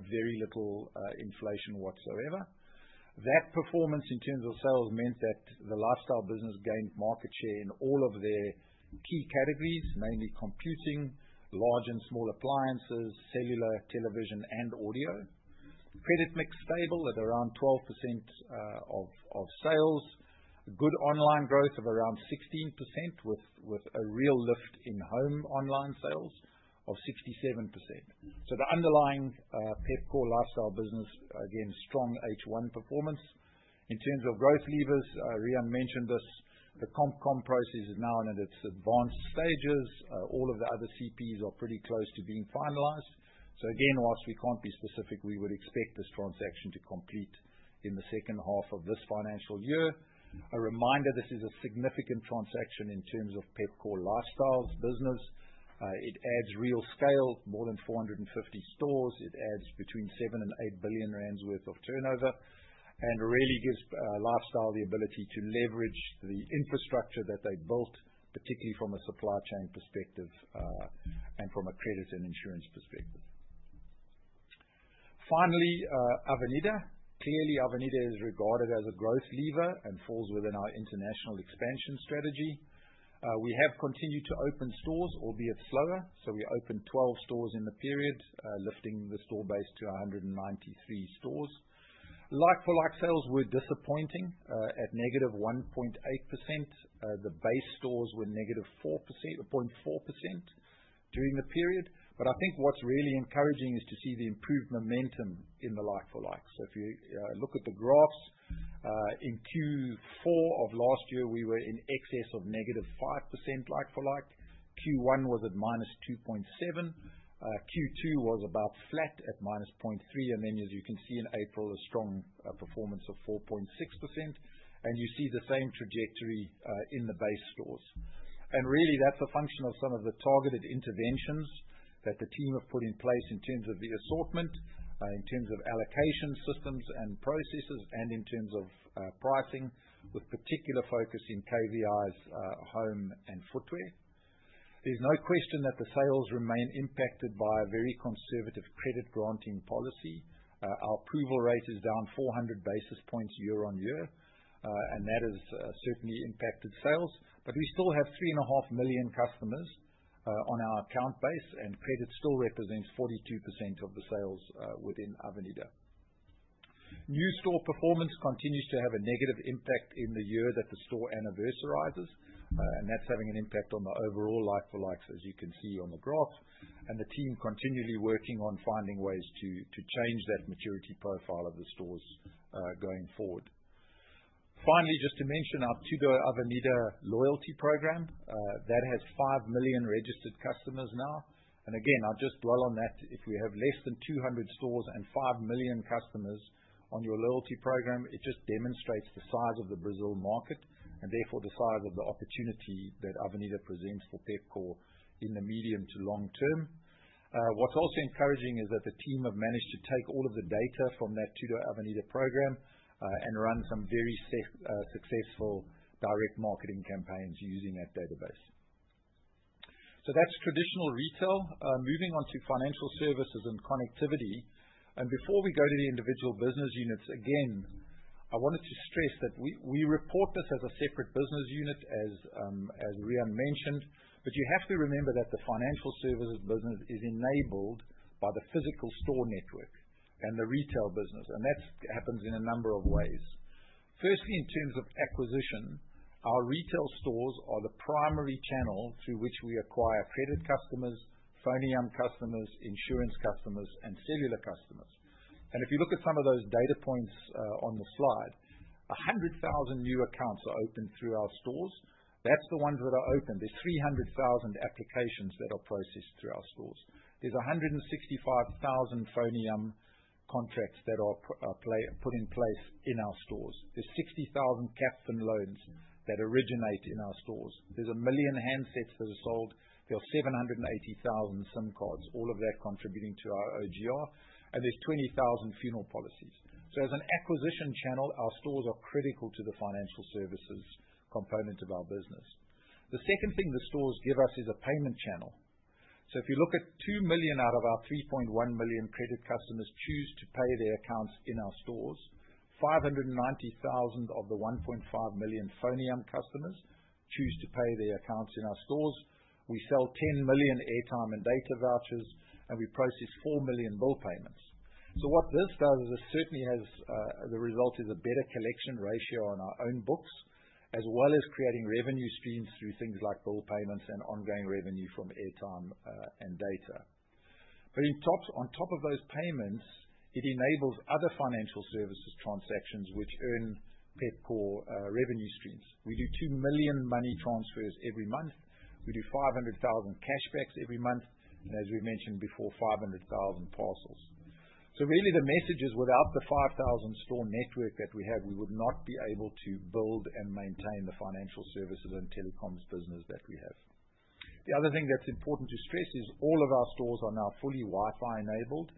very little inflation whatsoever. That performance in terms of sales meant that the Lifestyle business gained market share in all of their key categories, mainly computing, large and small appliances, cellular, television, and audio. Credit mix stable at around 12% of sales. Good online growth of around 16% with a real lift in home online sales of 67%. The underlying Pepkor Lifestyle business, again, strong H1 performance. In terms of growth levers, Riaan mentioned this. The comp-com process is now in its advanced stages. All of the other CPs are pretty close to being finalized. Whilst we can't be specific, we would expect this transaction to complete in the second half of this financial year. A reminder, this is a significant transaction in terms of Pepkor Lifestyle's business. It adds real scale, more than 450 stores. It adds between 7 billion and 8 billion rand worth of turnover, and really gives Lifestyle the ability to leverage the infrastructure that they've built, particularly from a supply chain perspective and from a credit and insurance perspective. Finally, Avenida. Clearly, Avenida is regarded as a growth lever and falls within our international expansion strategy. We have continued to open stores, albeit slower. We opened 12 stores in the period, lifting the store base to 193 stores. Like-for-like sales were disappointing at negative 1.8%. The base stores were negative 0.4% during the period. I think what's really encouraging is to see the improved momentum in the like-for-like. If you look at the graphs, in Q4 of last year, we were in excess of negative 5% like-for-like. Q1 was at -2.7%. Q2 was about flat at -0.3%. In April, a strong performance of 4.6%. You see the same trajectory in the base stores. That is a function of some of the targeted interventions that the team have put in place in terms of the assortment, in terms of allocation systems and processes, and in terms of pricing, with particular focus in KVIs, home, and footwear. There is no question that the sales remain impacted by a very conservative credit-granting policy. Our approval rate is down 400 basis points year on year, and that has certainly impacted sales. We still have 3.5 million customers on our account base, and credit still represents 42% of the sales within Avenida. New store performance continues to have a negative impact in the year that the store anniversarizes, and that is having an impact on the overall like-for-likes, as you can see on the graph. The team continually working on finding ways to change that maturity profile of the stores going forward. Finally, just to mention our Tudo Avenida loyalty program. That has 5 million registered customers now. I will just dwell on that. If we have less than 200 stores and 5 million customers on your loyalty program, it just demonstrates the size of the Brazil market and therefore the size of the opportunity that Avenida presents for Pepkor in the medium to long term. What is also encouraging is that the team have managed to take all of the data from that Tudo Avenida program and run some very successful direct marketing campaigns using that database. That is traditional retail. Moving on to financial services and connectivity. Before we go to the individual business units, again, I wanted to stress that we report this as a separate business unit, as Riaan mentioned, but you have to remember that the financial services business is enabled by the physical store network and the retail business. That happens in a number of ways. Firstly, in terms of acquisition, our retail stores are the primary channel through which we acquire credit customers, FoneYam customers, insurance customers, and cellular customers. If you look at some of those data points on the slide, 100,000 new accounts are opened through our stores. That is the ones that are open. There are 300,000 applications that are processed through our stores. There are 165,000 FoneYam contracts that are put in place in our stores. There are 60,000 Capfin loans that originate in our stores. There's a million handsets that are sold. There are 780,000 SIM cards, all of that contributing to our OGR. And there's 20,000 funeral policies. As an acquisition channel, our stores are critical to the financial services component of our business. The second thing the stores give us is a payment channel. If you look at 2 million out of our 3.1 million credit customers, they choose to pay their accounts in our stores. 590,000 of the 1.5 million FoneYam customers choose to pay their accounts in our stores. We sell 10 million airtime and data vouchers, and we process 4 million bill payments. What this does is it certainly has the result of a better collection ratio on our own books, as well as creating revenue streams through things like bill payments and ongoing revenue from airtime and data. On top of those payments, it enables other financial services transactions which earn Pepkor revenue streams. We do 2 million money transfers every month. We do 500,000 cashbacks every month, and as we have mentioned before, 500,000 parcels. Really, the message is without the 5,000 store network that we have, we would not be able to build and maintain the financial services and telecoms business that we have. The other thing that is important to stress is all of our stores are now fully Wi-Fi enabled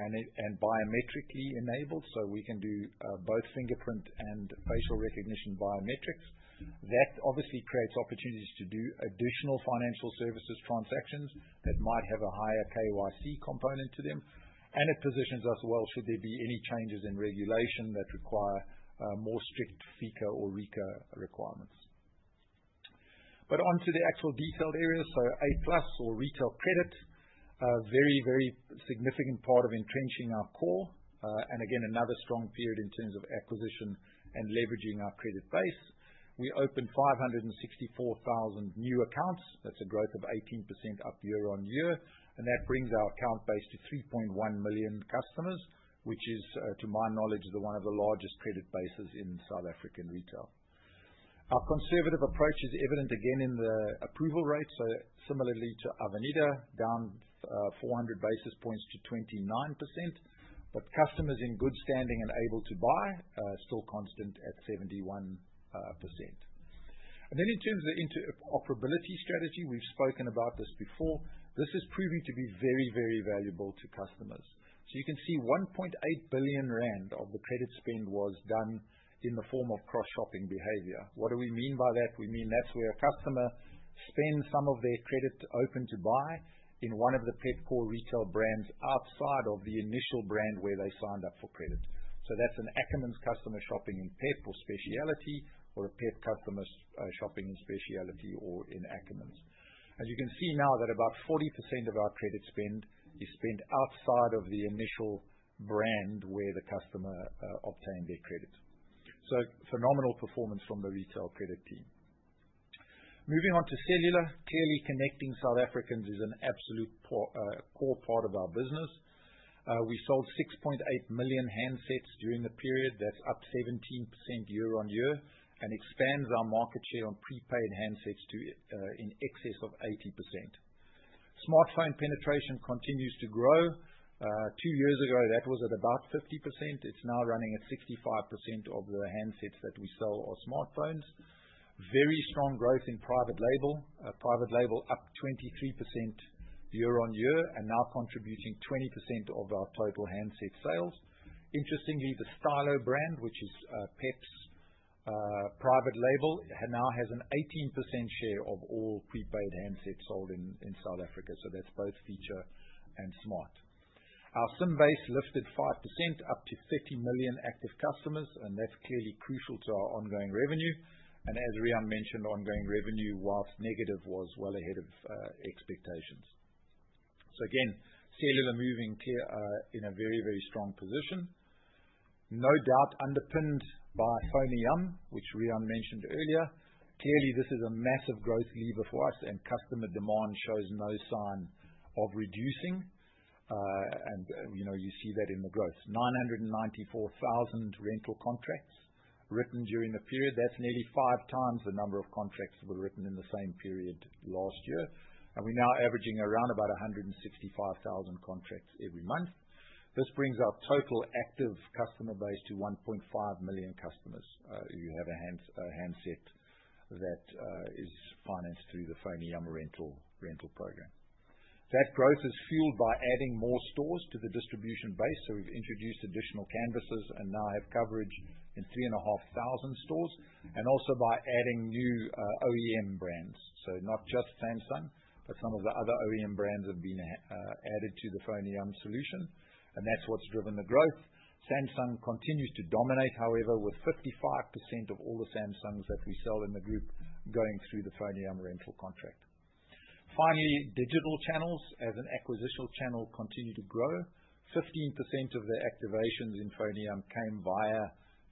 and biometrically enabled, so we can do both fingerprint and facial recognition biometrics. That obviously creates opportunities to do additional financial services transactions that might have a higher KYC component to them, and it positions us well should there be any changes in regulation that require more strict FICA or RICA requirements. On to the actual detailed areas. A Plus or retail credit, a very, very significant part of entrenching our core. Again, another strong period in terms of acquisition and leveraging our credit base. We opened 564,000 new accounts. That is a growth of 18% up year on year. That brings our account base to 3.1 million customers, which is, to my knowledge, one of the largest credit bases in South African retail. Our conservative approach is evident again in the approval rate. Similarly to Avenida, down 400 basis points to 29%. Customers in good standing and able to buy still constant at 71%. In terms of the interoperability strategy, we have spoken about this before. This is proving to be very, very valuable to customers. You can see 1.8 billion rand of the credit spend was done in the form of cross-shopping behavior. What do we mean by that? We mean that's where a customer spends some of their credit open to buy in one of the Pepkor retail brands outside of the initial brand where they signed up for credit. That is an Ackermans customer shopping in Pep or Speciality, or a Pep customer shopping in Speciality or in Ackermans. You can see now that about 40% of our credit spend is spent outside of the initial brand where the customer obtained their credit. Phenomenal performance from the retail credit team. Moving on to cellular, clearly connecting South Africans is an absolute core part of our business. We sold 6.8 million handsets during the period. That is up 17% year on year and expands our market share on prepaid handsets in excess of 80%. Smartphone penetration continues to grow. Two years ago, that was at about 50%. It's now running at 65% of the handsets that we sell are smartphones. Very strong growth in private label. Private label up 23% year on year and now contributing 20% of our total handset sales. Interestingly, the Stylo brand, which is Pep's private label, now has an 18% share of all prepaid handsets sold in South Africa. That is both feature and smart. Our SIM base lifted 5% up to 30 million active customers, and that is clearly crucial to our ongoing revenue. As Riaan mentioned, ongoing revenue, whilst negative, was well ahead of expectations. Cellular is moving in a very, very strong position. No doubt underpinned by FoneYam, which Riaan mentioned earlier. Clearly, this is a massive growth lever for us, and customer demand shows no sign of reducing. You see that in the growth. 994,000 rental contracts written during the period. That's nearly five times the number of contracts that were written in the same period last year. We're now averaging around about 165,000 contracts every month. This brings our total active customer base to 1.5 million customers if you have a handset that is financed through the FoneYam rental program. That growth is fueled by adding more stores to the distribution base. We've introduced additional canvases and now have coverage in 3,500 stores, and also by adding new OEM brands. Not just Samsung, but some of the other OEM brands have been added to the FoneYam solution, and that's what's driven the growth. Samsung continues to dominate, however, with 55% of all the Samsungs that we sell in the group going through the FoneYam rental contract. Finally, digital channels as an acquisitional channel continue to grow. 15% of the activations in FoneYam came via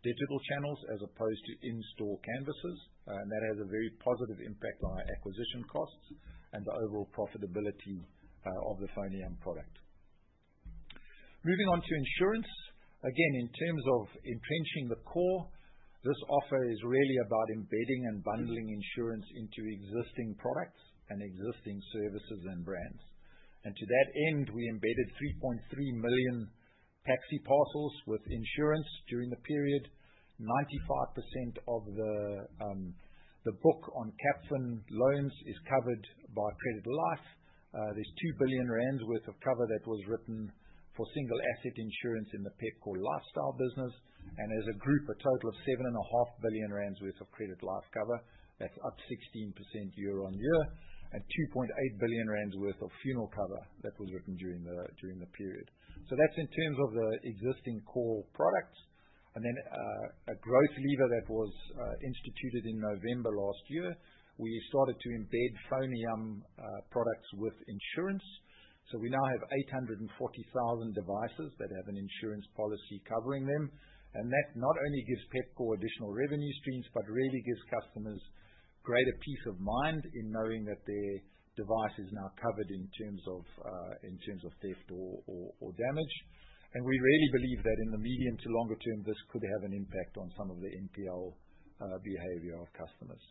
digital channels as opposed to in-store canvases, and that has a very positive impact on our acquisition costs and the overall profitability of the FoneYam product. Moving on to insurance. Again, in terms of entrenching the core, this offer is really about embedding and bundling insurance into existing products and existing services and brands. To that end, we embedded 3.3 million taxi parcels with insurance during the period. 95% of the book on Capfin loans is covered by Credit Life. There is 2 billion rand worth of cover that was written for single asset insurance in the Pepkor Lifestyle business. As a group, a total of 7.5 billion rand worth of Credit Life cover. That is up 16% year on year and 2.8 billion rand worth of funeral cover that was written during the period. That's in terms of the existing core products. A growth lever that was instituted in November last year, we started to embed FoneYam products with insurance. We now have 840,000 devices that have an insurance policy covering them. That not only gives Pepkor additional revenue streams, but really gives customers greater peace of mind in knowing that their device is now covered in terms of theft or damage. We really believe that in the medium to longer term, this could have an impact on some of the NPL behavior of customers.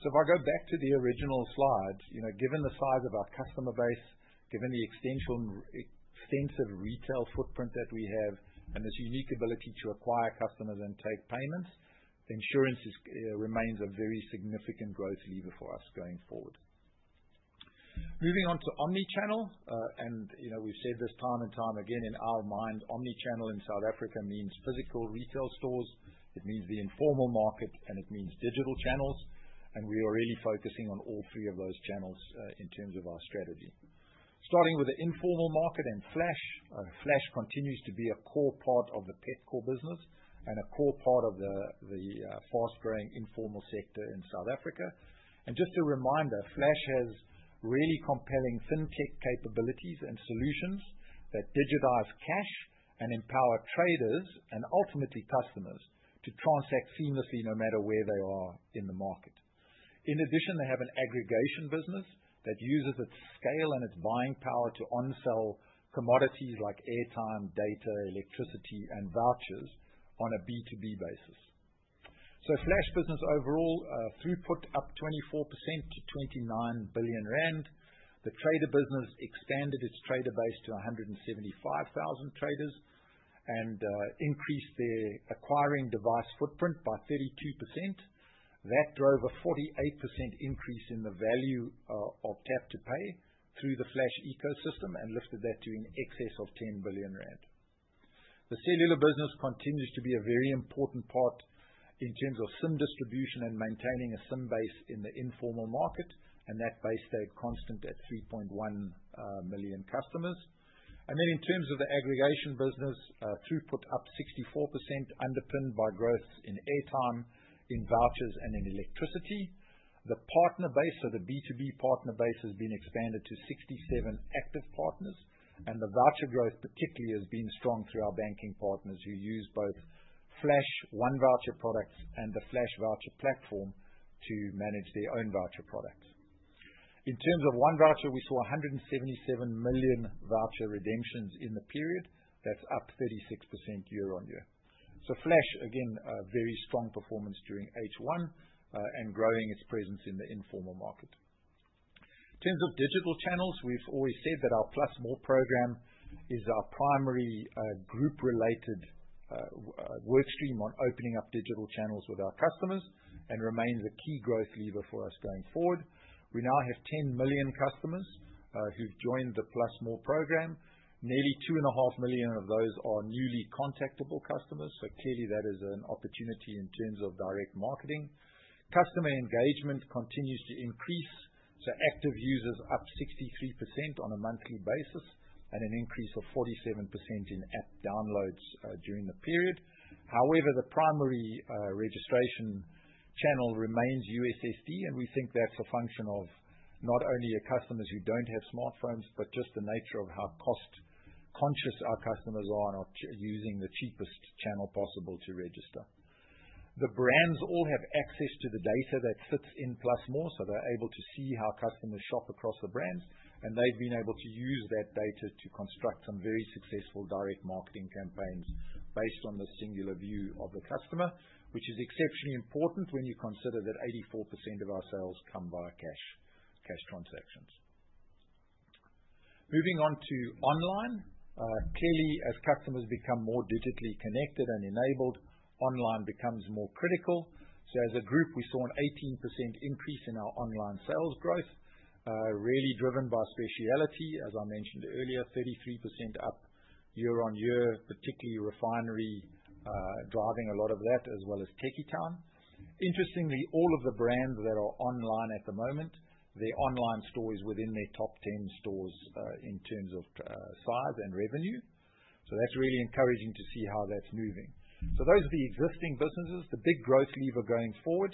If I go back to the original slide, given the size of our customer base, given the extensive retail footprint that we have, and this unique ability to acquire customers and take payments, insurance remains a very significant growth lever for us going forward. Moving on to omnichannel. We have said this time and time again, in our mind, omnichannel in South Africa means physical retail stores. It means the informal market, and it means digital channels. We are really focusing on all three of those channels in terms of our strategy. Starting with the informal market and Flash, Flash continues to be a core part of the Pepkor business and a core part of the fast-growing informal sector in South Africa. Just a reminder, Flash has really compelling fintech capabilities and solutions that digitize cash and empower traders and ultimately customers to transact seamlessly no matter where they are in the market. In addition, they have an aggregation business that uses its scale and its buying power to onsell commodities like airtime, data, electricity, and vouchers on a B2B basis. The Flash business overall throughput is up 24% to 29 billion rand. The trader business expanded its trader base to 175,000 traders and increased their acquiring device footprint by 32%. That drove a 48% increase in the value of tap-to-pay through the Flash ecosystem and lifted that to in excess of 10 billion rand. The cellular business continues to be a very important part in terms of SIM distribution and maintaining a SIM base in the informal market, and that base stayed constant at 3.1 million customers. In terms of the aggregation business, throughput up 64%, underpinned by growth in airtime, in vouchers, and in electricity. The partner base, so the B2B partner base, has been expanded to 67 active partners, and the voucher growth particularly has been strong through our banking partners who use both Flash OneVoucher products and the Flash voucher platform to manage their own voucher products. In terms of OneVoucher, we saw 177 million voucher redemptions in the period. That's up 36% year on year. Flash, again, very strong performance during H1 and growing its presence in the informal market. In terms of digital channels, we've always said that our Plus More program is our primary group-related workstream on opening up digital channels with our customers and remains a key growth lever for us going forward. We now have 10 million customers who've joined the Plus More program. Nearly 2.5 million of those are newly contactable customers, so clearly that is an opportunity in terms of direct marketing. Customer engagement continues to increase, so active users up 63% on a monthly basis and an increase of 47% in app downloads during the period. However, the primary registration channel remains USSD, and we think that's a function of not only your customers who don't have smartphones, but just the nature of how cost-conscious our customers are and are using the cheapest channel possible to register. The brands all have access to the data that sits in Plus More, so they're able to see how customers shop across the brands, and they've been able to use that data to construct some very successful direct marketing campaigns based on the singular view of the customer, which is exceptionally important when you consider that 84% of our sales come via cash transactions. Moving on to online, clearly as customers become more digitally connected and enabled, online becomes more critical. As a group, we saw an 18% increase in our online sales growth, really driven by Speciality, as I mentioned earlier, 33% up year on year, particularly Refinery driving a lot of that, as well as Techitown. Interestingly, all of the brands that are online at the moment, their online store is within their top 10 stores in terms of size and revenue. That is really encouraging to see how that is moving. Those are the existing businesses. The big growth lever going forward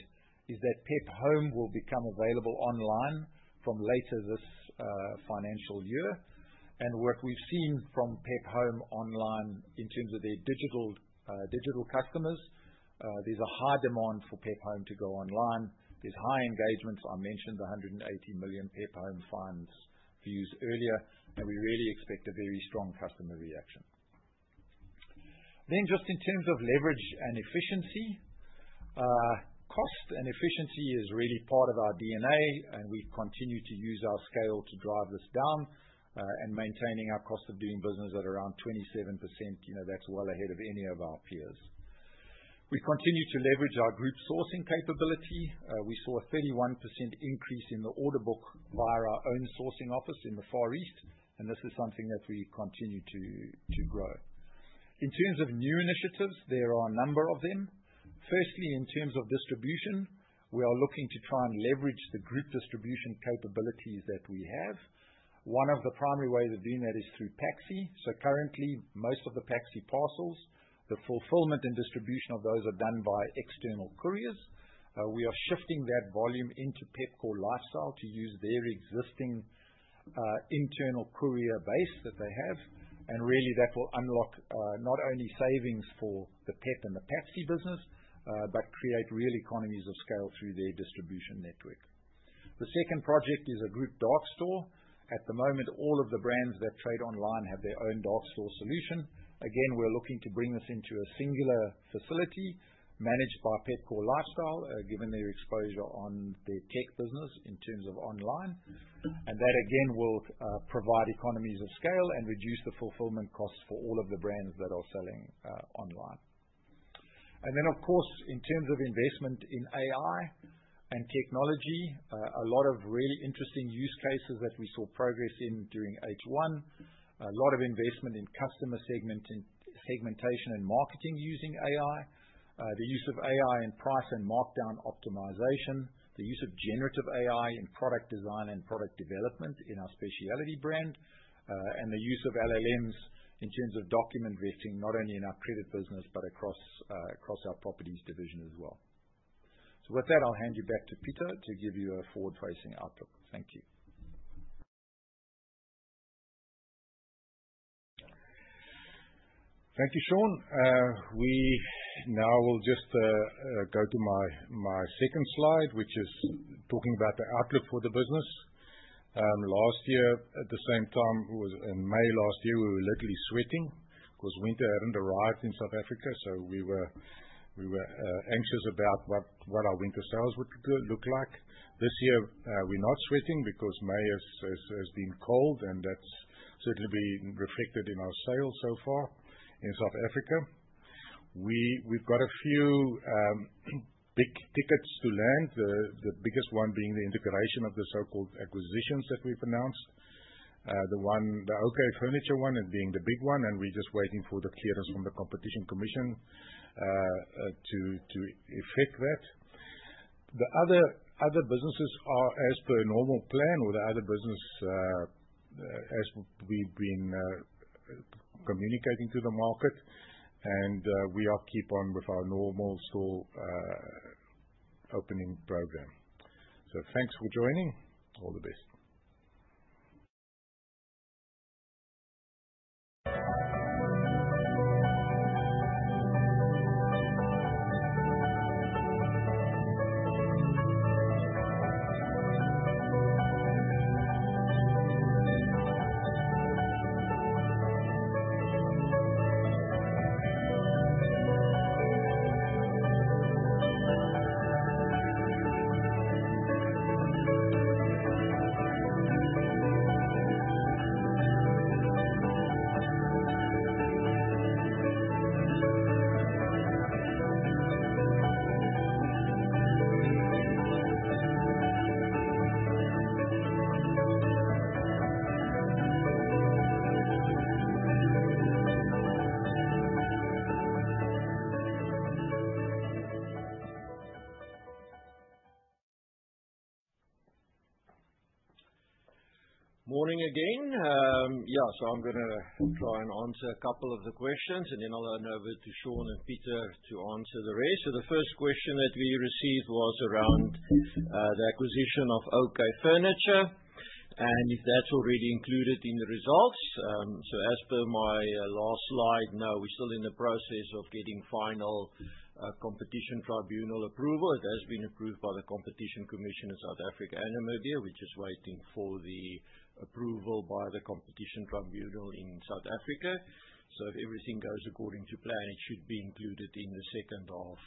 is that Pep Home will become available online from later this financial year. What we have seen from Pep Home online in terms of their digital customers, there is a high demand for Pep Home to go online. There are high engagements. I mentioned the 180 million Pep Home funds views earlier, and we really expect a very strong customer reaction. In terms of leverage and efficiency, cost and efficiency is really part of our DNA, and we continue to use our scale to drive this down and maintaining our cost of doing business at around 27%. That's well ahead of any of our peers. We continue to leverage our group sourcing capability. We saw a 31% increase in the order book via our own sourcing office in the Far East, and this is something that we continue to grow. In terms of new initiatives, there are a number of them. Firstly, in terms of distribution, we are looking to try and leverage the group distribution capabilities that we have. One of the primary ways of doing that is through PAXI. Currently, most of the PAXI parcels, the fulfillment and distribution of those are done by external couriers. We are shifting that volume into Pepkor Lifestyle to use their existing internal courier base that they have. That will unlock not only savings for the Pep and the PAXI business, but create real economies of scale through their distribution network. The second project is a group dark store. At the moment, all of the brands that trade online have their own dark store solution. Again, we're looking to bring this into a singular facility managed by Pepkor Lifestyle, given their exposure on their tech business in terms of online. That, again, will provide economies of scale and reduce the fulfillment costs for all of the brands that are selling online. In terms of investment in AI and technology, a lot of really interesting use cases that we saw progress in during H1, a lot of investment in customer segmentation and marketing using AI, the use of AI in price and markdown optimization, the use of generative AI in product design and product development in our specialty brand, and the use of LLMs in terms of document vetting, not only in our credit business, but across our properties division as well. With that, I'll hand you back to Pieter to give you a forward-facing outlook. Thank you. Thank you, Sean. We now will just go to my second slide, which is talking about the outlook for the business. Last year, at the same time, in May last year, we were literally sweating because winter had not arrived in South Africa. We were anxious about what our winter sales would look like. This year, we're not sweating because May has been cold, and that's certainly been reflected in our sales so far in South Africa. We've got a few big tickets to land, the biggest one being the integration of the so-called acquisitions that we've announced, the OK Furniture one being the big one, and we're just waiting for the clearance from the Competition Commission to effect that. The other businesses are, as per normal plan, or the other business, as we've been communicating to the market, and we keep on with our normal store opening program. Thanks for joining. All the best. Morning again. Yeah, I'm going to try and answer a couple of the questions, and then I'll hand over to Sean and Pieter to answer the rest. The first question that we received was around the acquisition of OK Furniture, and that's already included in the results. As per my last slide, no, we're still in the process of getting final Competition Tribunal approval. It has been approved by the Competition Commission in South Africa and Namibia, just waiting for the approval by the Competition Tribunal in South Africa. If everything goes according to plan, it should be included in the second set of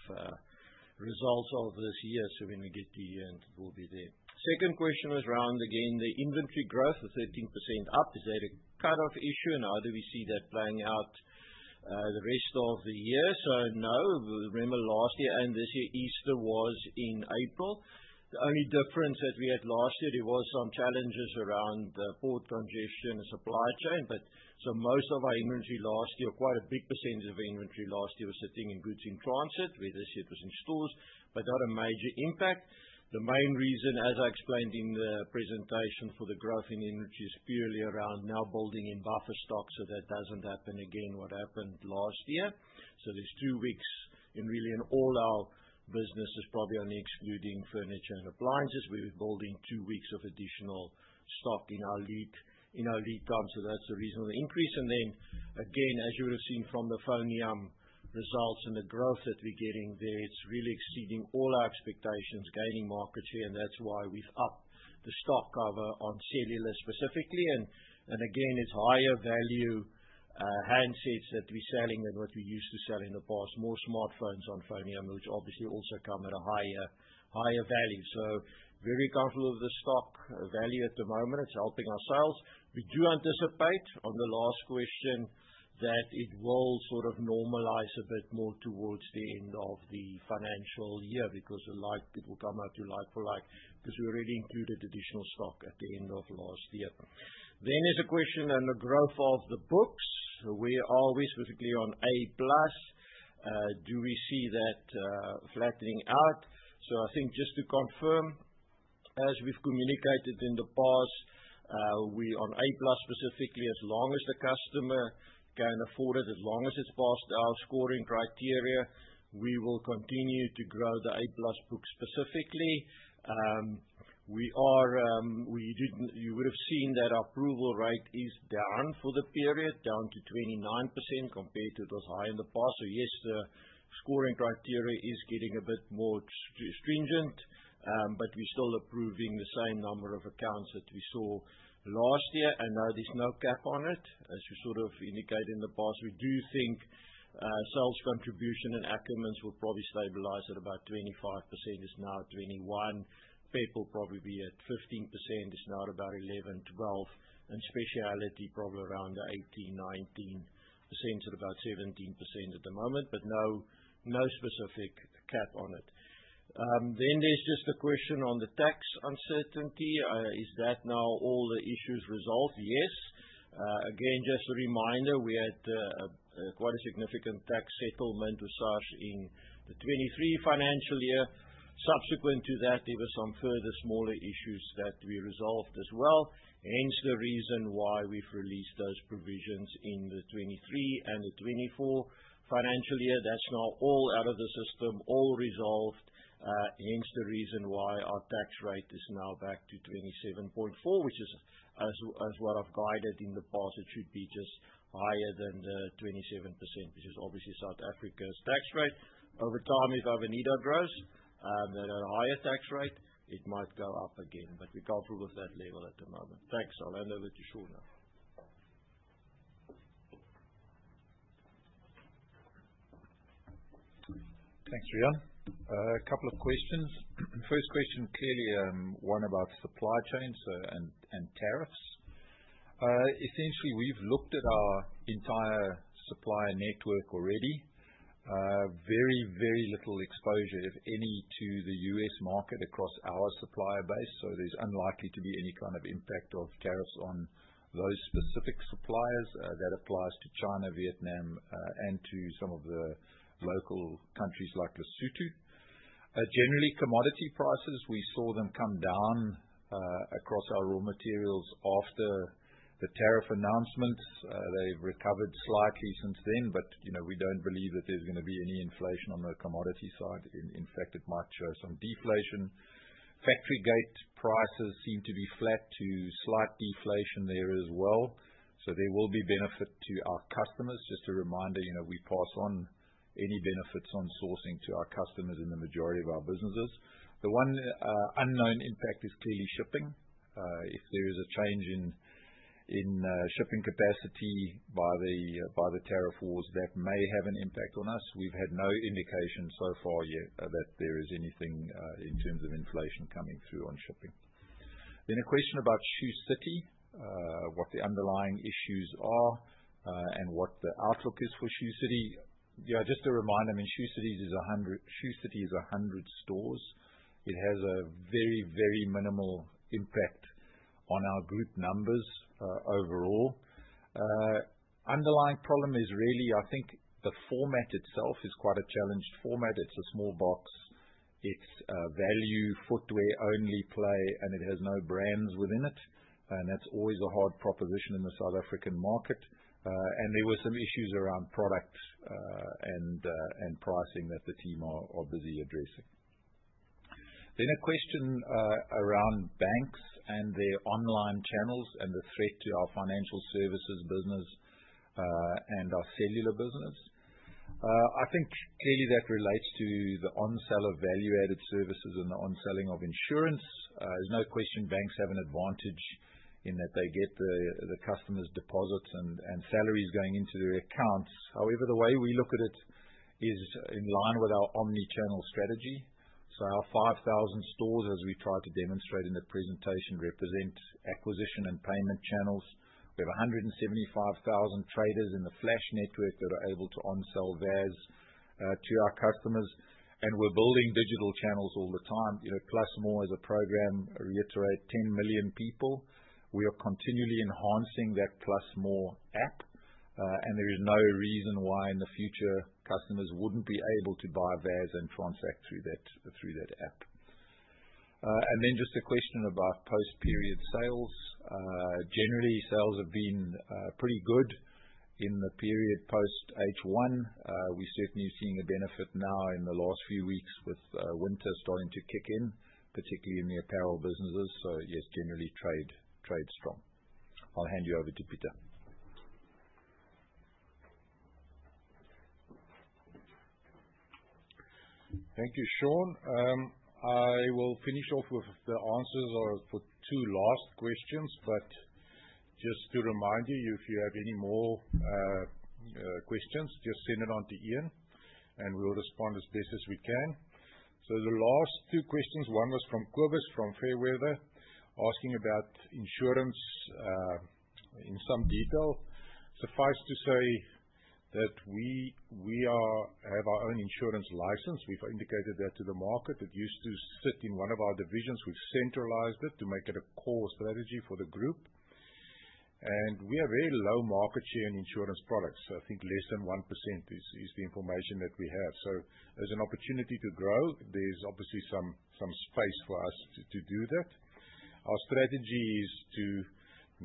results of this year. When we get to the end, it will be there. The second question was around, again, the inventory growth, the 13% up. Is that a cut-off issue, and how do we see that playing out the rest of the year? No, remember last year and this year, Easter was in April. The only difference that we had last year, there were some challenges around port congestion and supply chain. Most of our inventory last year, quite a big percentage of inventory last year was sitting in goods in transit, where this year it was in stores, but not a major impact. The main reason, as I explained in the presentation for the growth in inventory, is purely around now building in buffer stock so that does not happen again what happened last year. There are two weeks in really in all our businesses, probably only excluding furniture and appliances, we were building two weeks of additional stock in our lead time. That is the reason for the increase. As you would have seen from the FoneYam results and the growth that we are getting there, it is really exceeding all our expectations, gaining market share, and that is why we have upped the stock cover on cellular specifically. It is higher value handsets that we are selling than what we used to sell in the past, more smartphones on FoneYam, which obviously also come at a higher value. Very comfortable with the stock value at the moment. It is helping our sales. We do anticipate on the last question that it will sort of normalize a bit more towards the end of the financial year because it will come out to like-for-like because we already included additional stock at the end of last year. There is a question on the growth of the books. We are always specifically on A Plus. Do we see that flattening out? I think just to confirm, as we've communicated in the past, we on A Plus specifically, as long as the customer can afford it, as long as it's past our scoring criteria, we will continue to grow the A Plus books specifically. You would have seen that our approval rate is down for the period, down to 29% compared to it was high in the past. Yes, the scoring criteria is getting a bit more stringent, but we're still approving the same number of accounts that we saw last year. No, there's no cap on it. As we sort of indicated in the past, we do think sales contribution and acumen will probably stabilize at about 25%. It's now 21%. Pep will probably be at 15%. It's now at about 11-12%. Speciality, probably around the 18-19%. It's about 17% at the moment, but no specific cap on it. There is just a question on the tax uncertainty. Is that now all the issues resolved? Yes. Again, just a reminder, we had quite a significant tax settlement with SASH in the 2023 financial year. Subsequent to that, there were some further smaller issues that we resolved as well. Hence the reason why we have released those provisions in the 2023 and the 2024 financial year. That is now all out of the system, all resolved. Hence the reason why our tax rate is now back to 27.4%, which is as what I have guided in the past. It should be just higher than the 27%, which is obviously South Africa's tax rate. Over time, if our Avenida grows at a higher tax rate, it might go up again. We are comfortable with that level at the moment. Thanks. I'll hand over to Sean now. Thanks, Riaan. A couple of questions. First question, clearly one about supply chains and tariffs. Essentially, we've looked at our entire supply network already. Very, very little exposure, if any, to the U.S. market across our supplier base. There's unlikely to be any kind of impact of tariffs on those specific suppliers. That applies to China, Vietnam, and to some of the local countries like Lesotho. Generally, commodity prices, we saw them come down across our raw materials after the tariff announcements. They've recovered slightly since then, but we don't believe that there's going to be any inflation on the commodity side. In fact, it might show some deflation. Factory gate prices seem to be flat to slight deflation there as well. There will be benefit to our customers. Just a reminder, we pass on any benefits on sourcing to our customers in the majority of our businesses. The one unknown impact is clearly shipping. If there is a change in shipping capacity by the tariff wars, that may have an impact on us. We've had no indication so far yet that there is anything in terms of inflation coming through on shipping. A question about Shoe City, what the underlying issues are and what the outlook is for Shoe City. Yeah, just a reminder, I mean, Shoe City is 100 stores. It has a very, very minimal impact on our group numbers overall. Underlying problem is really, I think the format itself is quite a challenged format. It's a small box. It's value, footwear only play, and it has no brands within it. That's always a hard proposition in the South African market. There were some issues around product and pricing that the team are busy addressing. A question around banks and their online channels and the threat to our financial services business and our cellular business. I think clearly that relates to the onsale of value-added services and the onselling of insurance. There is no question banks have an advantage in that they get the customers' deposits and salaries going into their accounts. However, the way we look at it is in line with our omnichannel strategy. Our 5,000 stores, as we tried to demonstrate in the presentation, represent acquisition and payment channels. We have 175,000 traders in the Flash network that are able to onsell VAS to our customers. We are building digital channels all the time. Plus More is a program, I reiterate, 10 million people. We are continually enhancing that Plus More app. There is no reason why in the future customers would not be able to buy VAS and transact through that app. Just a question about post-period sales. Generally, sales have been pretty good in the period post H1. We certainly are seeing a benefit now in the last few weeks with winter starting to kick in, particularly in the apparel businesses. Yes, generally trade strong. I will hand you over to Pieter. Thank you, Sean. I will finish off with the answers for two last questions. Just to remind you, if you have any more questions, just send it on to Ian, and we will respond as best as we can. The last two questions, one was from Kobus from Fairweather, asking about insurance in some detail. Suffice to say that we have our own insurance license. We have indicated that to the market. It used to sit in one of our divisions. We have centralized it to make it a core strategy for the group. We have very low market share in insurance products. I think less than 1% is the information that we have. There is an opportunity to grow. There is obviously some space for us to do that. Our strategy is to,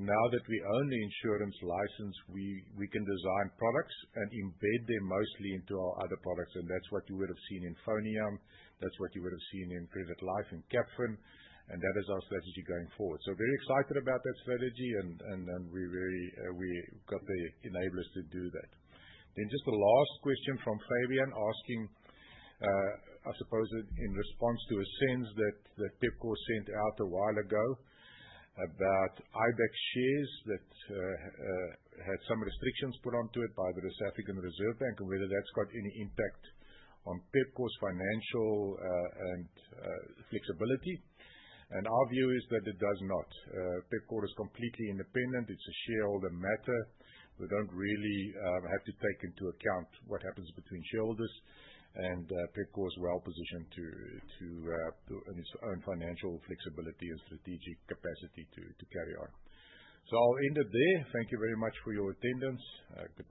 now that we own the insurance license, we can design products and embed them mostly into our other products. That is what you would have seen in FoneYam. That is what you would have seen in Credit Life, in Capfin. That is our strategy going forward. Very excited about that strategy, and we have the enablers to do that. Just the last question from Fabian, asking, I suppose in response to a SENS that Pepkor sent out a while ago about IBEX shares that had some restrictions put onto it by the South African Reserve Bank and whether that's got any impact on Pepkor's financial flexibility. Our view is that it does not. Pepkor is completely independent. It's a shareholder matter. We don't really have to take into account what happens between shareholders. Pepkor is well positioned in its own financial flexibility and strategic capacity to carry on. I'll end it there. Thank you very much for your attendance. Goodbye.